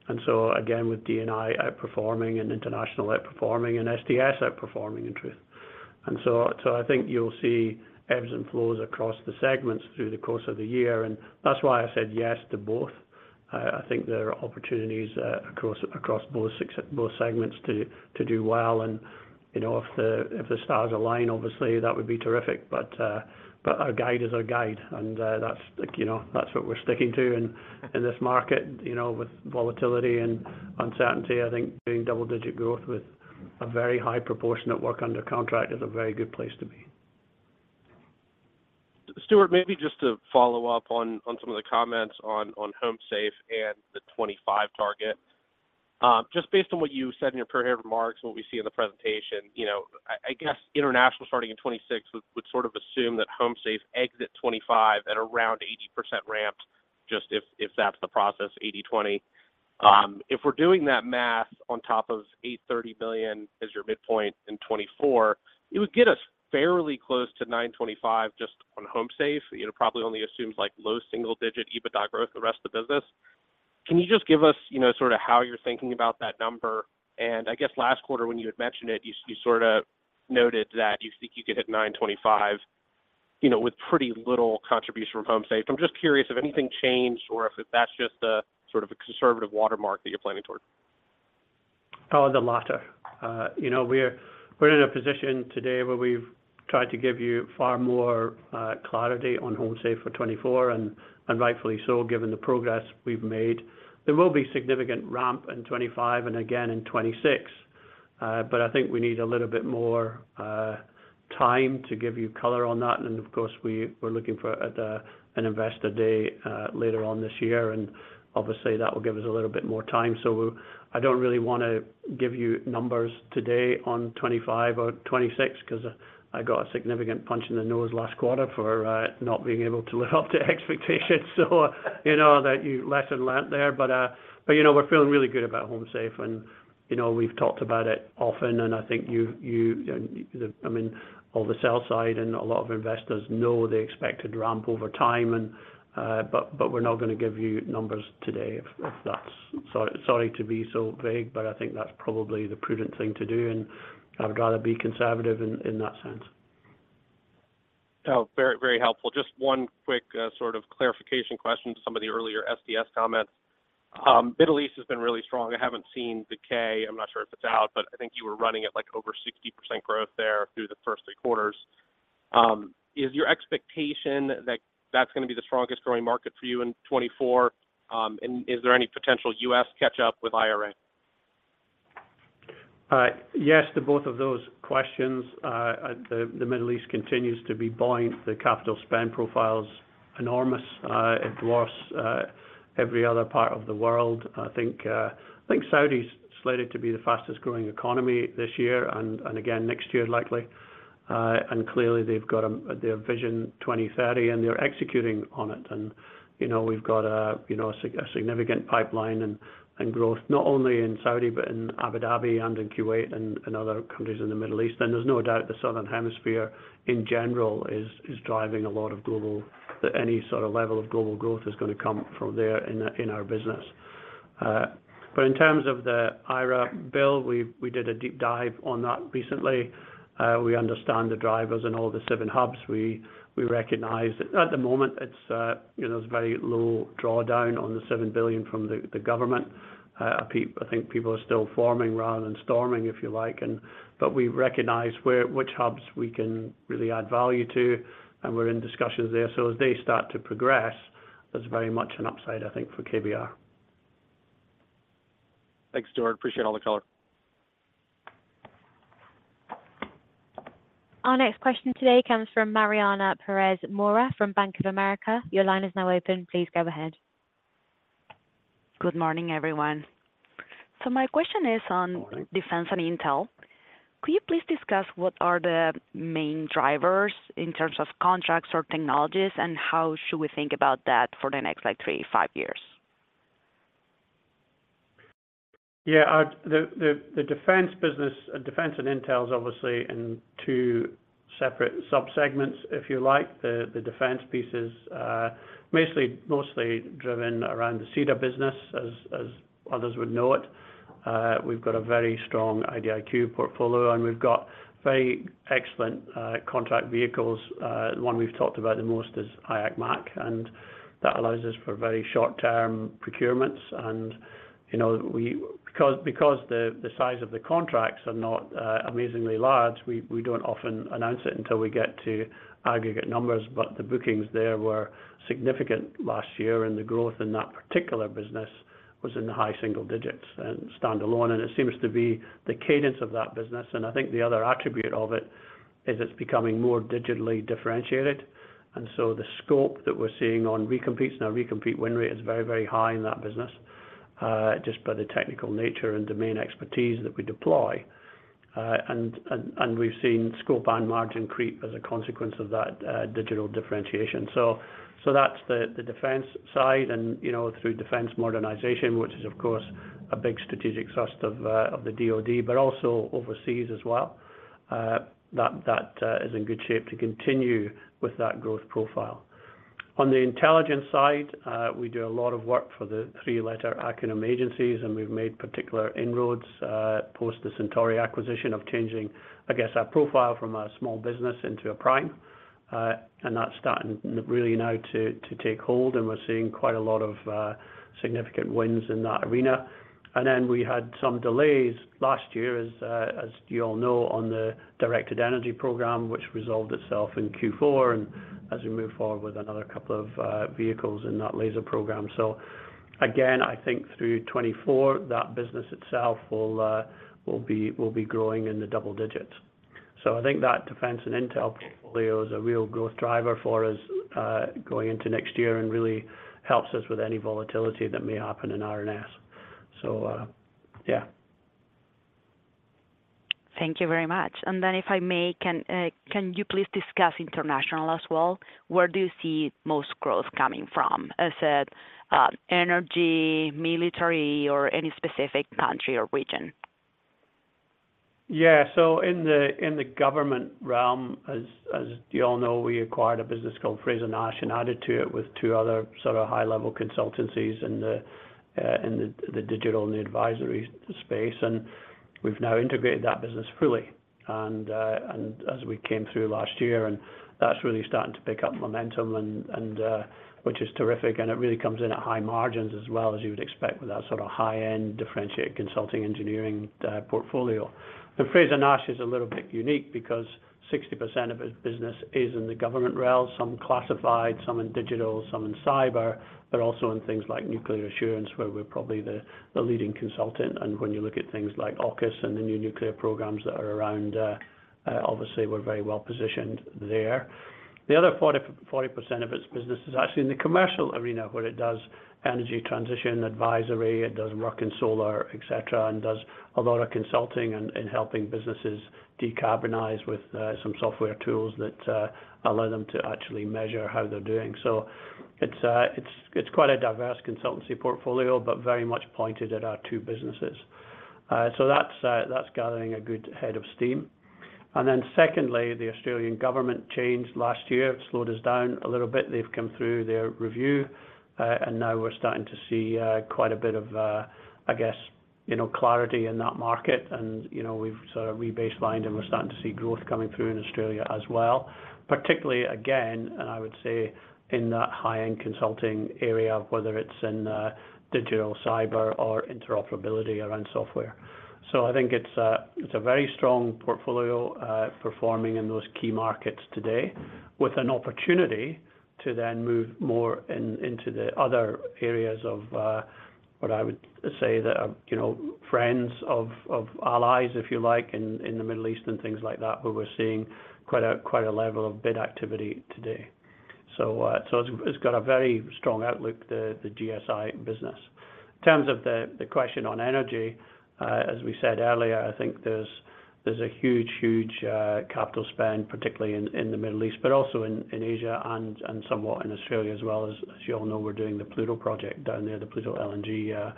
Again, with D&I outperforming and international outperforming and STS outperforming in truth. I think you'll see ebbs and flows across the segments through the course of the year. That's why I said yes to both. I think there are opportunities across both segments to do well. If the stars align, obviously, that would be terrific. But our guide is our guide, and that's what we're sticking to. In this market, with volatility and uncertainty, I think doing double-digit growth with a very high proportionate work under contract is a very good place to be. Stuart, maybe just to follow up on some of the comments on HomeSafe and the 2025 target. Just based on what you said in your prepared remarks and what we see in the presentation, I guess international starting in 2026 would sort of assume that HomeSafe exits 2025 at around 80% ramped, just if that's the process, 80/20. If we're doing that math on top of $830 million as your midpoint in 2024, it would get us fairly close to $925 million just on HomeSafe. It probably only assumes low single-digit EBITDA growth the rest of the business. Can you just give us sort of how you're thinking about that number? I guess last quarter, when you had mentioned it, you sort of noted that you think you could hit $925 with pretty little contribution from HomeSafe. I'm just curious if anything changed or if that's just sort of a conservative watermark that you're planning towards. Oh, the latter. We're in a position today where we've tried to give you far more clarity on HomeSafe for 2024, and rightfully so, given the progress we've made. There will be significant ramp in 2025 and again in 2026. But I think we need a little bit more time to give you color on that. And of course, we're looking at an investor day later on this year. And obviously, that will give us a little bit more time. So I don't really want to give you numbers today on 2025 or 2026 because I got a significant punch in the nose last quarter for not being able to live up to expectations, so that's a lesson learned there. But we're feeling really good about HomeSafe, and we've talked about it often. And I think you—I mean, all the sell-side and a lot of investors know they expect a ramp over time. But we're not going to give you numbers today if that's sorry to be so vague, but I think that's probably the prudent thing to do. And I would rather be conservative in that sense. Oh, very, very helpful. Just one quick sort of clarification question to some of the earlier STS comments. Middle East has been really strong. I haven't seen decay. I'm not sure if it's out, but I think you were running at over 60% growth there through the first three quarters. Is your expectation that that's going to be the strongest growing market for you in 2024? And is there any potential U.S. catch-up with IRA? Yes to both of those questions. The Middle East continues to be buying the capital spend profiles enormous across every other part of the world. I think Saudi's slated to be the fastest growing economy this year and again, next year, likely. And clearly, they've got their Vision 2030, and they're executing on it. And we've got a significant pipeline and growth not only in Saudi but in Abu Dhabi and in Kuwait and other countries in the Middle East. And there's no doubt the southern hemisphere in general is driving a lot of global that any sort of level of global growth is going to come from there in our business. But in terms of the IRA bill, we did a deep dive on that recently. We understand the drivers and all the seven hubs. We recognize that at the moment, there's very low drawdown on the $7 billion from the government. I think people are still forming rather than storming, if you like. But we recognize which hubs we can really add value to, and we're in discussions there. So as they start to progress, there's very much an upside, I think, for KBR. Thanks, Stuart. Appreciate all the color. Our next question today comes from Mariana Perez Mora from Bank of America. Your line is now open. Please go ahead. Good morning, everyone. So my question is on defense and intel. Could you please discuss what are the main drivers in terms of contracts or technologies, and how should we think about that for the next three to five years? Yeah. The defense business and defense and intel is obviously in two separate subsegments, if you like. The defense piece is mostly driven around the SETA business, as others would know it. We've got a very strong IDIQ portfolio, and we've got very excellent contract vehicles. The one we've talked about the most is IAC MAC, and that allows us for very short-term procurements. And because the size of the contracts are not amazingly large, we don't often announce it until we get to aggregate numbers. But the bookings there were significant last year, and the growth in that particular business was in the high single digits and standalone. And it seems to be the cadence of that business. And I think the other attribute of it is it's becoming more digitally differentiated. And so the scope that we're seeing on recompetes and our recompete win rate is very, very high in that business just by the technical nature and domain expertise that we deploy. And we've seen scope and margin creep as a consequence of that digital differentiation. So that's the defense side. And through defense modernization, which is, of course, a big strategic thrust of the DoD, but also overseas as well, that is in good shape to continue with that growth profile. On the intelligence side, we do a lot of work for the three-letter acronym agencies, and we've made particular inroads post the Centauri acquisition of changing, I guess, our profile from a small business into a prime. And that's starting really now to take hold, and we're seeing quite a lot of significant wins in that arena. And then we had some delays last year, as you all know, on the directed energy program, which resolved itself in Q4 and as we move forward with another couple of vehicles in that laser program. So again, I think through 2024, that business itself will be growing in the double digits. So I think that defense and intel portfolio is a real growth driver for us going into next year and really helps us with any volatility that may happen in R&S. So yeah. Thank you very much. And then if I may, can you please discuss international as well? Where do you see most growth coming from? Is it energy, military, or any specific country or region? Yeah. So in the government realm, as you all know, we acquired a business called Frazer-Nash and added to it with two other sort of high-level consultancies in the digital and the advisory space. We've now integrated that business fully as we came through last year. That's really starting to pick up momentum, which is terrific. It really comes in at high margins as well as you would expect with that sort of high-end differentiated consulting engineering portfolio. Frazer-Nash is a little bit unique because 60% of its business is in the government realm, some classified, some in digital, some in cyber, but also in things like nuclear assurance where we're probably the leading consultant. When you look at things like AUKUS and the new nuclear programs that are around, obviously, we're very well positioned there. The other 40% of its business is actually in the commercial arena where it does energy transition advisory. It does work in solar, etc., and does a lot of consulting in helping businesses decarbonize with some software tools that allow them to actually measure how they're doing. So it's quite a diverse consultancy portfolio but very much pointed at our two businesses. So that's gathering a good head of steam. And then secondly, the Australian government changed last year. It slowed us down a little bit. They've come through their review, and now we're starting to see quite a bit of, I guess, clarity in that market. And we've sort of rebaselined and we're starting to see growth coming through in Australia as well, particularly, again, and I would say, in that high-end consulting area, whether it's in digital, cyber, or interoperability around software. So I think it's a very strong portfolio performing in those key markets today with an opportunity to then move more into the other areas of what I would say that are friends of allies, if you like, in the Middle East and things like that, where we're seeing quite a level of bid activity today. So it's got a very strong outlook, the GSI business. In terms of the question on energy, as we said earlier, I think there's a huge, huge capital spend, particularly in the Middle East, but also in Asia and somewhat in Australia as well. As you all know, we're doing the Pluto project down there, the Pluto LNG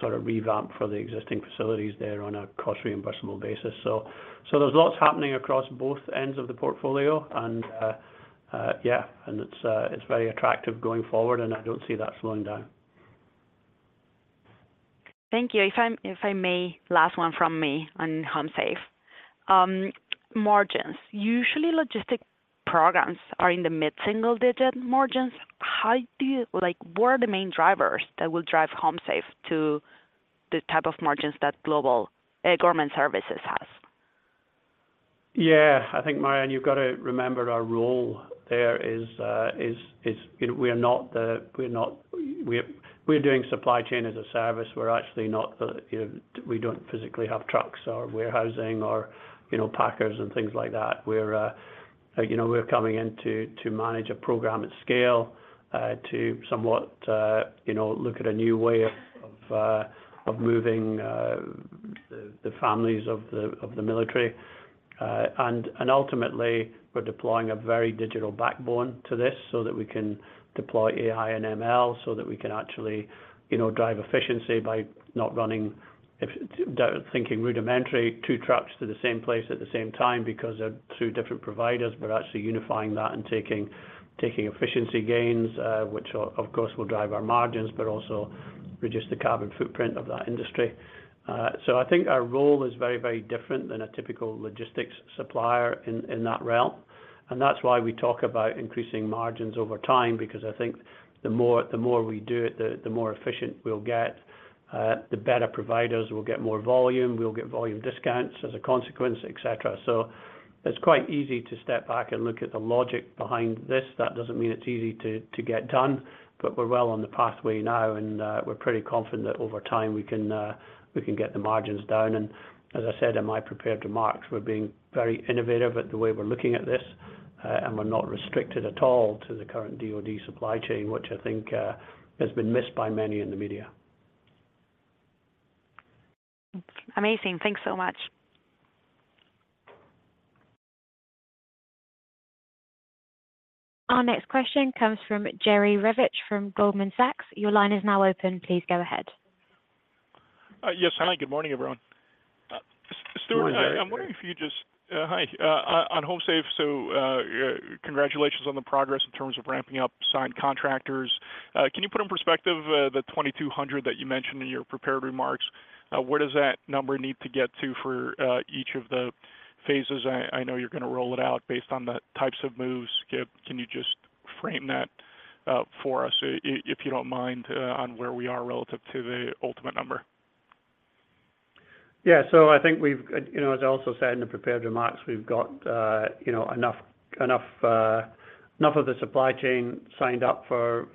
sort of revamp for the existing facilities there on a cost-reimbursable basis. So there's lots happening across both ends of the portfolio. Yeah, and it's very attractive going forward, and I don't see that slowing down. Thank you. If I may, last one from me on HomeSafe. Margins. Usually, logistics programs are in the mid-single digit margins. What are the main drivers that will drive HomeSafe to the type of margins that global government services has? Yeah. I think, Mariana, you've got to remember our role there is we are not the we're doing supply chain as a service. We're actually not the we don't physically have trucks or warehousing or packers and things like that. We're coming in to manage a program at scale, to somewhat look at a new way of moving the families of the military. And ultimately, we're deploying a very digital backbone to this so that we can deploy AI and ML so that we can actually drive efficiency by not running, thinking rudimentary, two trucks to the same place at the same time because they're through different providers, but actually unifying that and taking efficiency gains, which, of course, will drive our margins but also reduce the carbon footprint of that industry. So I think our role is very, very different than a typical logistics supplier in that realm. And that's why we talk about increasing margins over time because I think the more we do it, the more efficient we'll get, the better providers will get more volume. We'll get volume discounts as a consequence, etc. So it's quite easy to step back and look at the logic behind this. That doesn't mean it's easy to get done, but we're well on the pathway now, and we're pretty confident that over time, we can get the margins down. And as I said in my prepared remarks, we're being very innovative at the way we're looking at this, and we're not restricted at all to the current DoD supply chain, which I think has been missed by many in the media. Amazing. Thanks so much. Our next question comes from Jerry Revich from Goldman Sachs. Your line is now open. Please go ahead. Yes, hello. Good morning, everyone. Good morning. Stuart, I'm wondering if you just hi. On HomeSafe, so congratulations on the progress in terms of ramping up signed contractors. Can you put in perspective the 2,200 that you mentioned in your prepared remarks? Where does that number need to get to for each of the phases? I know you're going to roll it out based on the types of moves. Can you just frame that for us, if you don't mind, on where we are relative to the ultimate number? Yeah. So I think we've, as I also said in the prepared remarks, we've got enough of the supply chain signed up for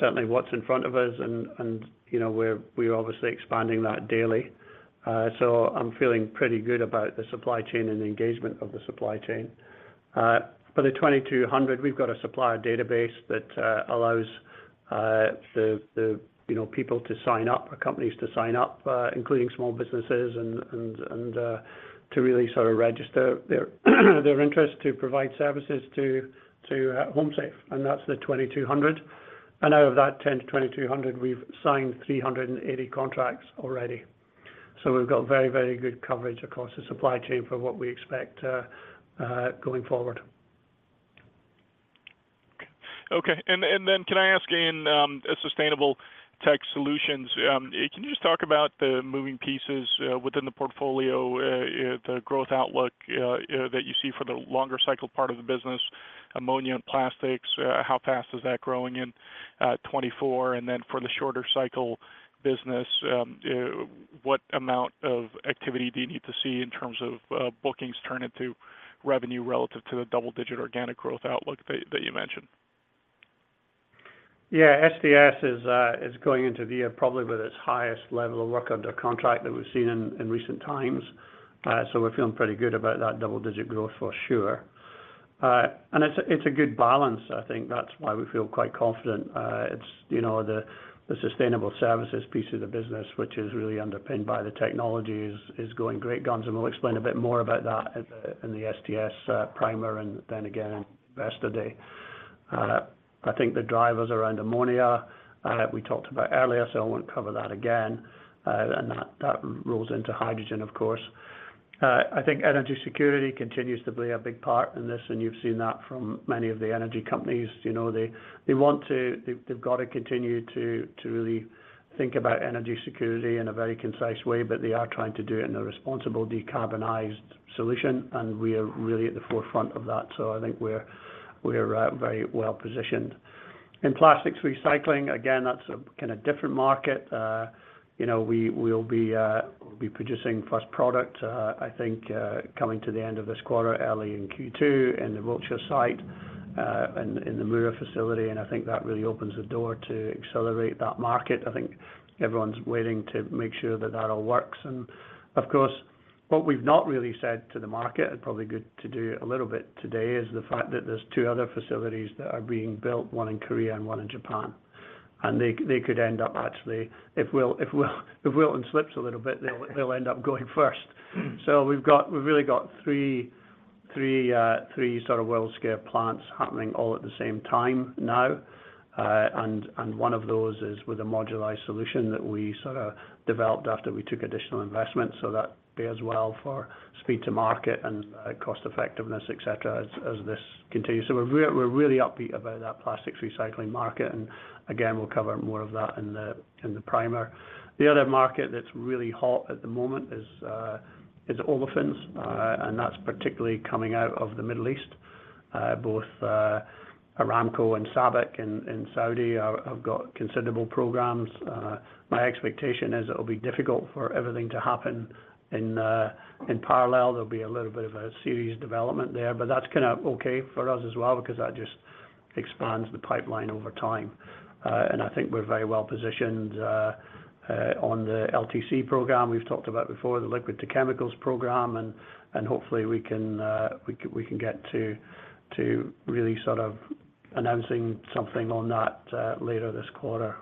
certainly what's in front of us, and we're obviously expanding that daily. So I'm feeling pretty good about the supply chain and the engagement of the supply chain. For the 2,200, we've got a supplier database that allows the people to sign up, or companies to sign up, including small businesses, and to really sort of register their interest to provide services to Home Safe. And that's the 2,200. And out of that 10 to 2,200, we've signed 380 contracts already. So we've got very, very good coverage across the supply chain for what we expect going forward. Okay. And then can I ask, in Sustainable Technology Solutions, can you just talk about the moving pieces within the portfolio, the growth outlook that you see for the longer cycle part of the business, ammonia and plastics, how fast is that growing in 2024? And then for the shorter cycle business, what amount of activity do you need to see in terms of bookings turn into revenue relative to the double-digit organic growth outlook that you mentioned? Yeah. STS is going into the year probably with its highest level of work under contract that we've seen in recent times. So we're feeling pretty good about that double-digit growth for sure. And it's a good balance. I think that's why we feel quite confident. It's the sustainable services piece of the business, which is really underpinned by the technology, is going great guns. We'll explain a bit more about that in the STS primer and then again Investor Day. I think the drivers around ammonia we talked about earlier, so I won't cover that again. That rolls into hydrogen, of course. I think energy security continues to play a big part in this, and you've seen that from many of the energy companies. They want to, they've got to continue to really think about energy security in a very concise way, but they are trying to do it in a responsible, decarbonized solution, and we are really at the forefront of that. I think we're very well positioned. In plastics recycling, again, that's kind of a different market. We'll be producing first product, I think, coming to the end of this quarter, early in Q2, in the Wilton site in the Mura facility. And I think that really opens the door to accelerate that market. I think everyone's waiting to make sure that that all works. And of course, what we've not really said to the market, and probably good to do a little bit today, is the fact that there's two other facilities that are being built, one in Korea and one in Japan. And they could end up actually if Wilton slips a little bit, they'll end up going first. So we've really got three sort of world-scale plants happening all at the same time now. And one of those is with a modularized solution that we sort of developed after we took additional investments. So that bears well for speed to market and cost-effectiveness, etc., as this continues. So we're really upbeat about that plastics recycling market. And again, we'll cover more of that in the primer. The other market that's really hot at the moment is olefins, and that's particularly coming out of the Middle East. Both Aramco and SABIC in Saudi have got considerable programs. My expectation is it'll be difficult for everything to happen in parallel. There'll be a little bit of a series development there, but that's kind of okay for us as well because that just expands the pipeline over time. And I think we're very well positioned on the LTC program we've talked about before, the liquid to chemicals program. And hopefully, we can get to really sort of announcing something on that later this quarter,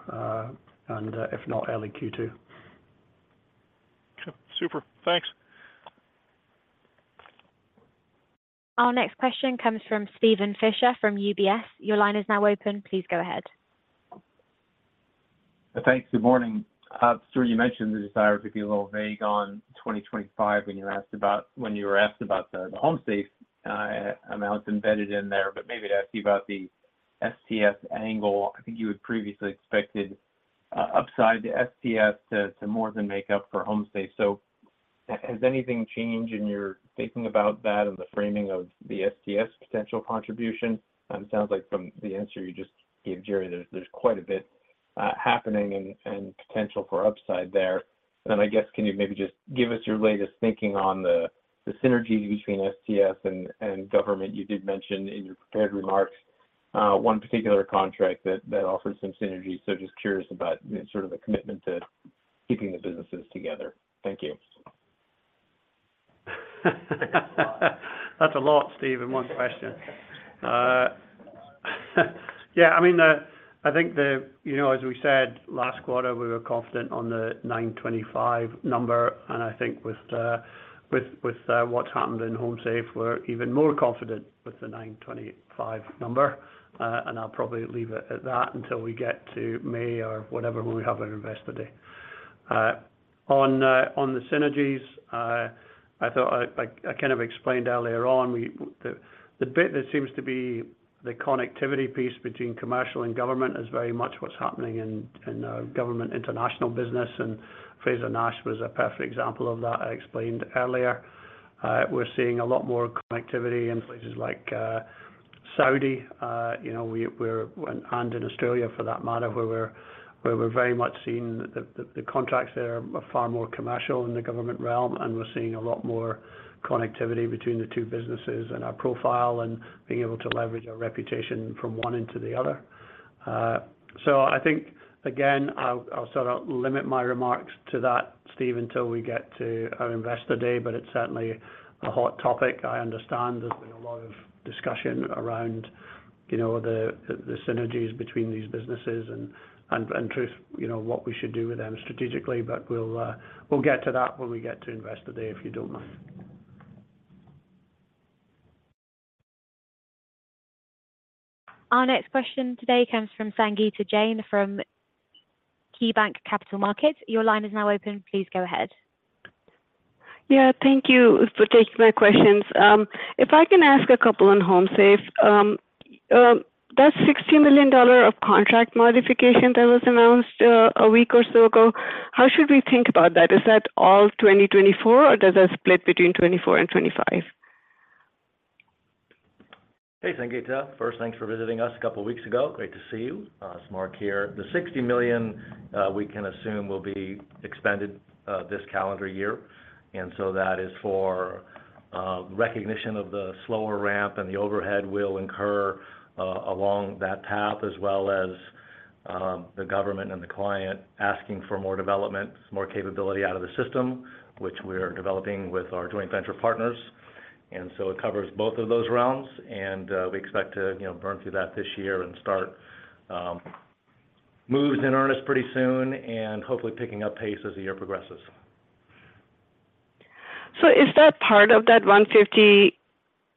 and if not early Q2. Okay. Super. Thanks. Our next question comes from Steven Fisher from UBS. Your line is now open. Please go ahead. Thanks. Good morning. Stuart, you mentioned the desire to be a little vague on 2025 when you were asked about when you were asked about the HomeSafe amount embedded in there. But maybe to ask you about the STS angle, I think you had previously expected upside to STS to more than make up for HomeSafe. So has anything changed in your thinking about that and the framing of the STS potential contribution? It sounds like from the answer you just gave, Jerry, there's quite a bit happening and potential for upside there. And then I guess, can you maybe just give us your latest thinking on the synergies between STS and government? You did mention in your prepared remarks one particular contract that offered some synergy. So just curious about sort of the commitment to keeping the businesses together. Thank you. That's a lot. That's a lot, Steven, one question. Yeah. I mean, I think as we said last quarter, we were confident on the 925 number. And I think with what's happened in HomeSafe, we're even more confident with the 925 number. And I'll probably leave it at that until we get to May or whatever when we have our investor day. On the synergies, I thought I kind of explained earlier on the bit that seems to be the connectivity piece between commercial and government is very much what's happening in government international business. And Frazer-Nash was a perfect example of that I explained earlier. We're seeing a lot more connectivity in places like Saudi and in Australia, for that matter, where we're very much seeing the contracts there are far more commercial in the government realm. And we're seeing a lot more connectivity between the two businesses and our profile and being able to leverage our reputation from one into the other. So I think, again, I'll sort of limit my remarks to that, Stephen, till we get to our investor day. But it's certainly a hot topic. I understand there's been a lot of discussion around the synergies between these businesses and, in truth, what we should do with them strategically. But we'll get to that when we get to Investor Day, if you don't mind. Our next question today comes from Sangita Jain from KeyBanc Capital Markets. Your line is now open. Please go ahead. Yeah. Thank you for taking my questions. If I can ask a couple on HomeSafe, that $60 million of contract modification that was announced a week or so ago, how should we think about that? Is that all 2024, or does that split between 2024 and 2025? Hey, Sangita. First, thanks for visiting us a couple of weeks ago. Great to see you. It's Mark here. The $60 million, we can assume, will be expended this calendar year. And so that is for recognition of the slower ramp, and the overhead will incur along that path, as well as the government and the client asking for more development, more capability out of the system, which we're developing with our joint venture partners. And so it covers both of those realms. And we expect to burn through that this year and start moves in earnest pretty soon and hopefully picking up pace as the year progresses. So is that part of that $150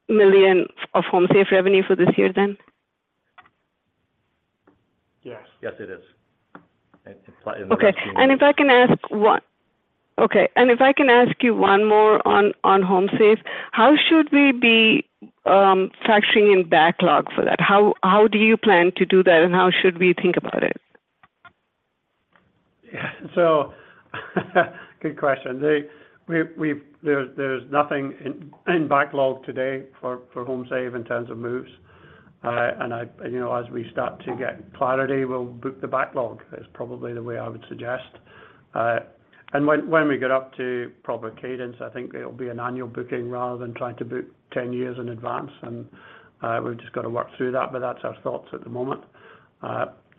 million of HomeSafe revenue for this year, then? Yes. Yes, it is in the next few months. Okay. And if I can ask you one more on HomeSafe, how should we be factoring in backlog for that? How do you plan to do that, and how should we think about it? Yeah. So good question. There's nothing in backlog today for HomeSafe in terms of moves. And as we start to get clarity, we'll book the backlog is probably the way I would suggest. And when we get up to proper cadence, I think it'll be an annual booking rather than trying to book 10 years in advance. And we've just got to work through that. But that's our thoughts at the moment.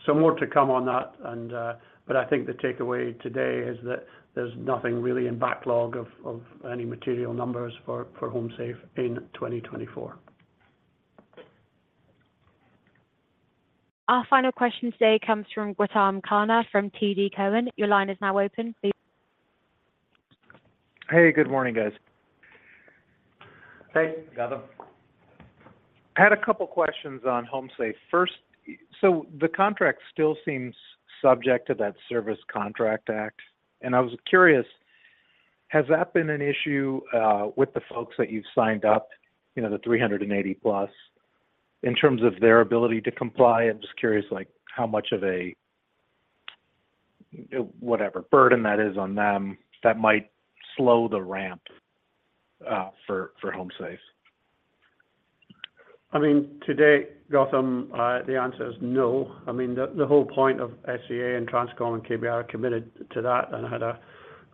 So more to come on that. But I think the takeaway today is that there's nothing really in backlog of any material numbers for HomeSafe in 2024. Our final question today comes from Gautam Khanna from TD Cowen. Your line is now open. Hey. Good morning, guys. Hey. Gautam. I had a couple of questions on HomeSafe. First, so the contract still seems subject to that Service Contract Act. And I was curious, has that been an issue with the folks that you've signed up, the 380+, in terms of their ability to comply? I'm just curious how much of a whatever burden that is on them that might slow the ramp for HomeSafe? I mean, today, Gautam, the answer is no. I mean, the whole point of SCA and Transcom and KBR are committed to that. I had a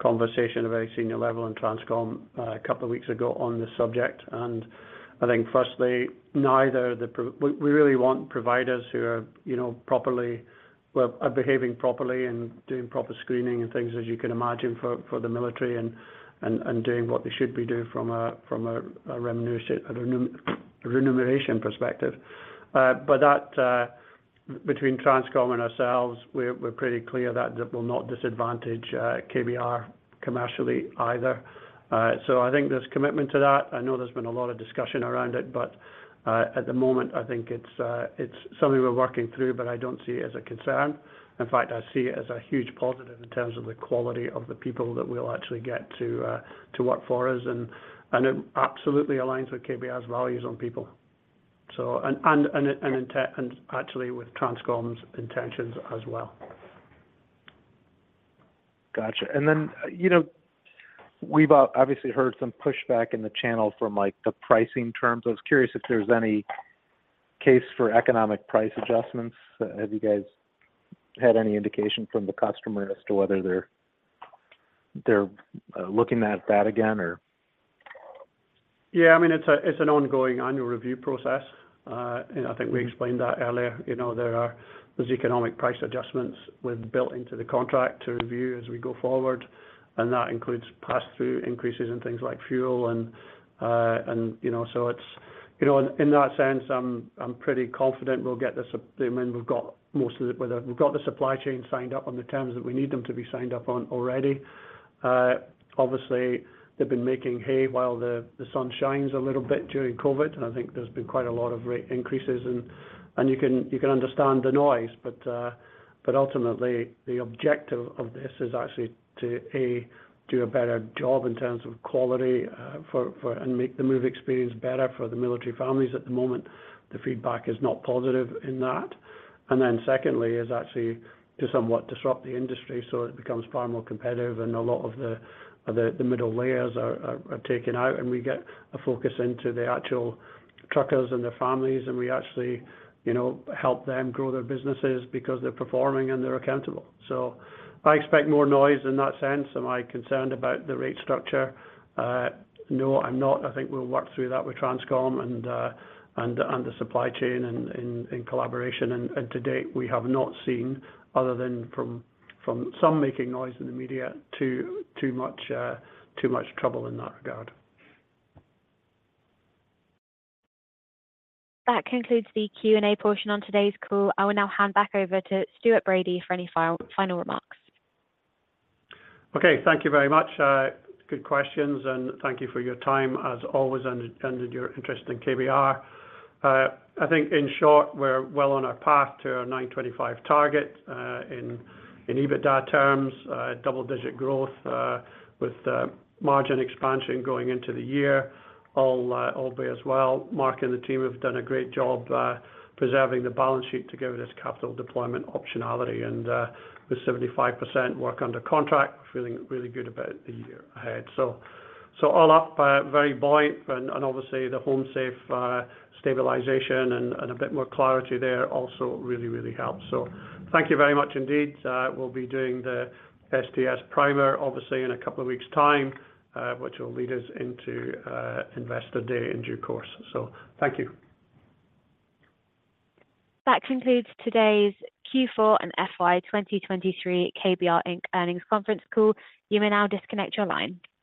conversation at a very senior level in Transcom a couple of weeks ago on this subject. I think, firstly, we really want providers who are properly behaving properly and doing proper screening and things, as you can imagine, for the military and doing what they should be doing from a remuneration perspective. But between Transcom and ourselves, we're pretty clear that it will not disadvantage KBR commercially either. So I think there's commitment to that. I know there's been a lot of discussion around it. But at the moment, I think it's something we're working through, but I don't see it as a concern. In fact, I see it as a huge positive in terms of the quality of the people that we'll actually get to work for us. And it absolutely aligns with KBR's values on people and actually with Transcom's intentions as well. Gotcha. And then we've obviously heard some pushback in the channel from the pricing terms. I was curious if there's any case for economic price adjustments. Have you guys had any indication from the customer as to whether they're looking at that again, or? Yeah. I mean, it's an ongoing annual review process. And I think we explained that earlier. There are these economic price adjustments built into the contract to review as we go forward. And that includes pass-through increases in things like fuel. And so it's in that sense, I'm pretty confident we'll get this. I mean, we've got most of the supply chain signed up on the terms that we need them to be signed up on already. Obviously, they've been making hay while the sun shines a little bit during COVID, and I think there's been quite a lot of rate increases. And you can understand the noise. But ultimately, the objective of this is actually to, A, do a better job in terms of quality and make the move experience better for the military families. At the moment, the feedback is not positive in that. And then secondly, is actually to somewhat disrupt the industry so it becomes far more competitive. And a lot of the middle layers are taken out. And we get a focus into the actual truckers and their families. And we actually help them grow their businesses because they're performing and they're accountable. So I expect more noise in that sense. Am I concerned about the rate structure? No, I'm not. I think we'll work through that with Transcom and the supply chain in collaboration. To date, we have not seen, other than from some making noise in the media, too much trouble in that regard. That concludes the Q&A portion on today's call. I will now hand back over to Stuart Bradie for any final remarks. Okay. Thank you very much. Good questions. Thank you for your time, as always, and your interest in KBR. I think, in short, we're well on our path to our $925 million target in EBITDA terms, double-digit growth with margin expansion going into the year. All be as well. Mark and the team have done a great job preserving the balance sheet to give it its capital deployment optionality. And with 75% work under contract, we're feeling really good about the year ahead. So all up, very buoyant. Obviously, the HomeSafe stabilization and a bit more clarity there also really, really helps. So thank you very much indeed. We'll be doing the STS primer, obviously, in a couple of weeks' time, which will lead us into Investor Day in due course. So thank you. That concludes today's Q4 and FY 2023 KBR Inc. earnings conference call. You may now disconnect your line.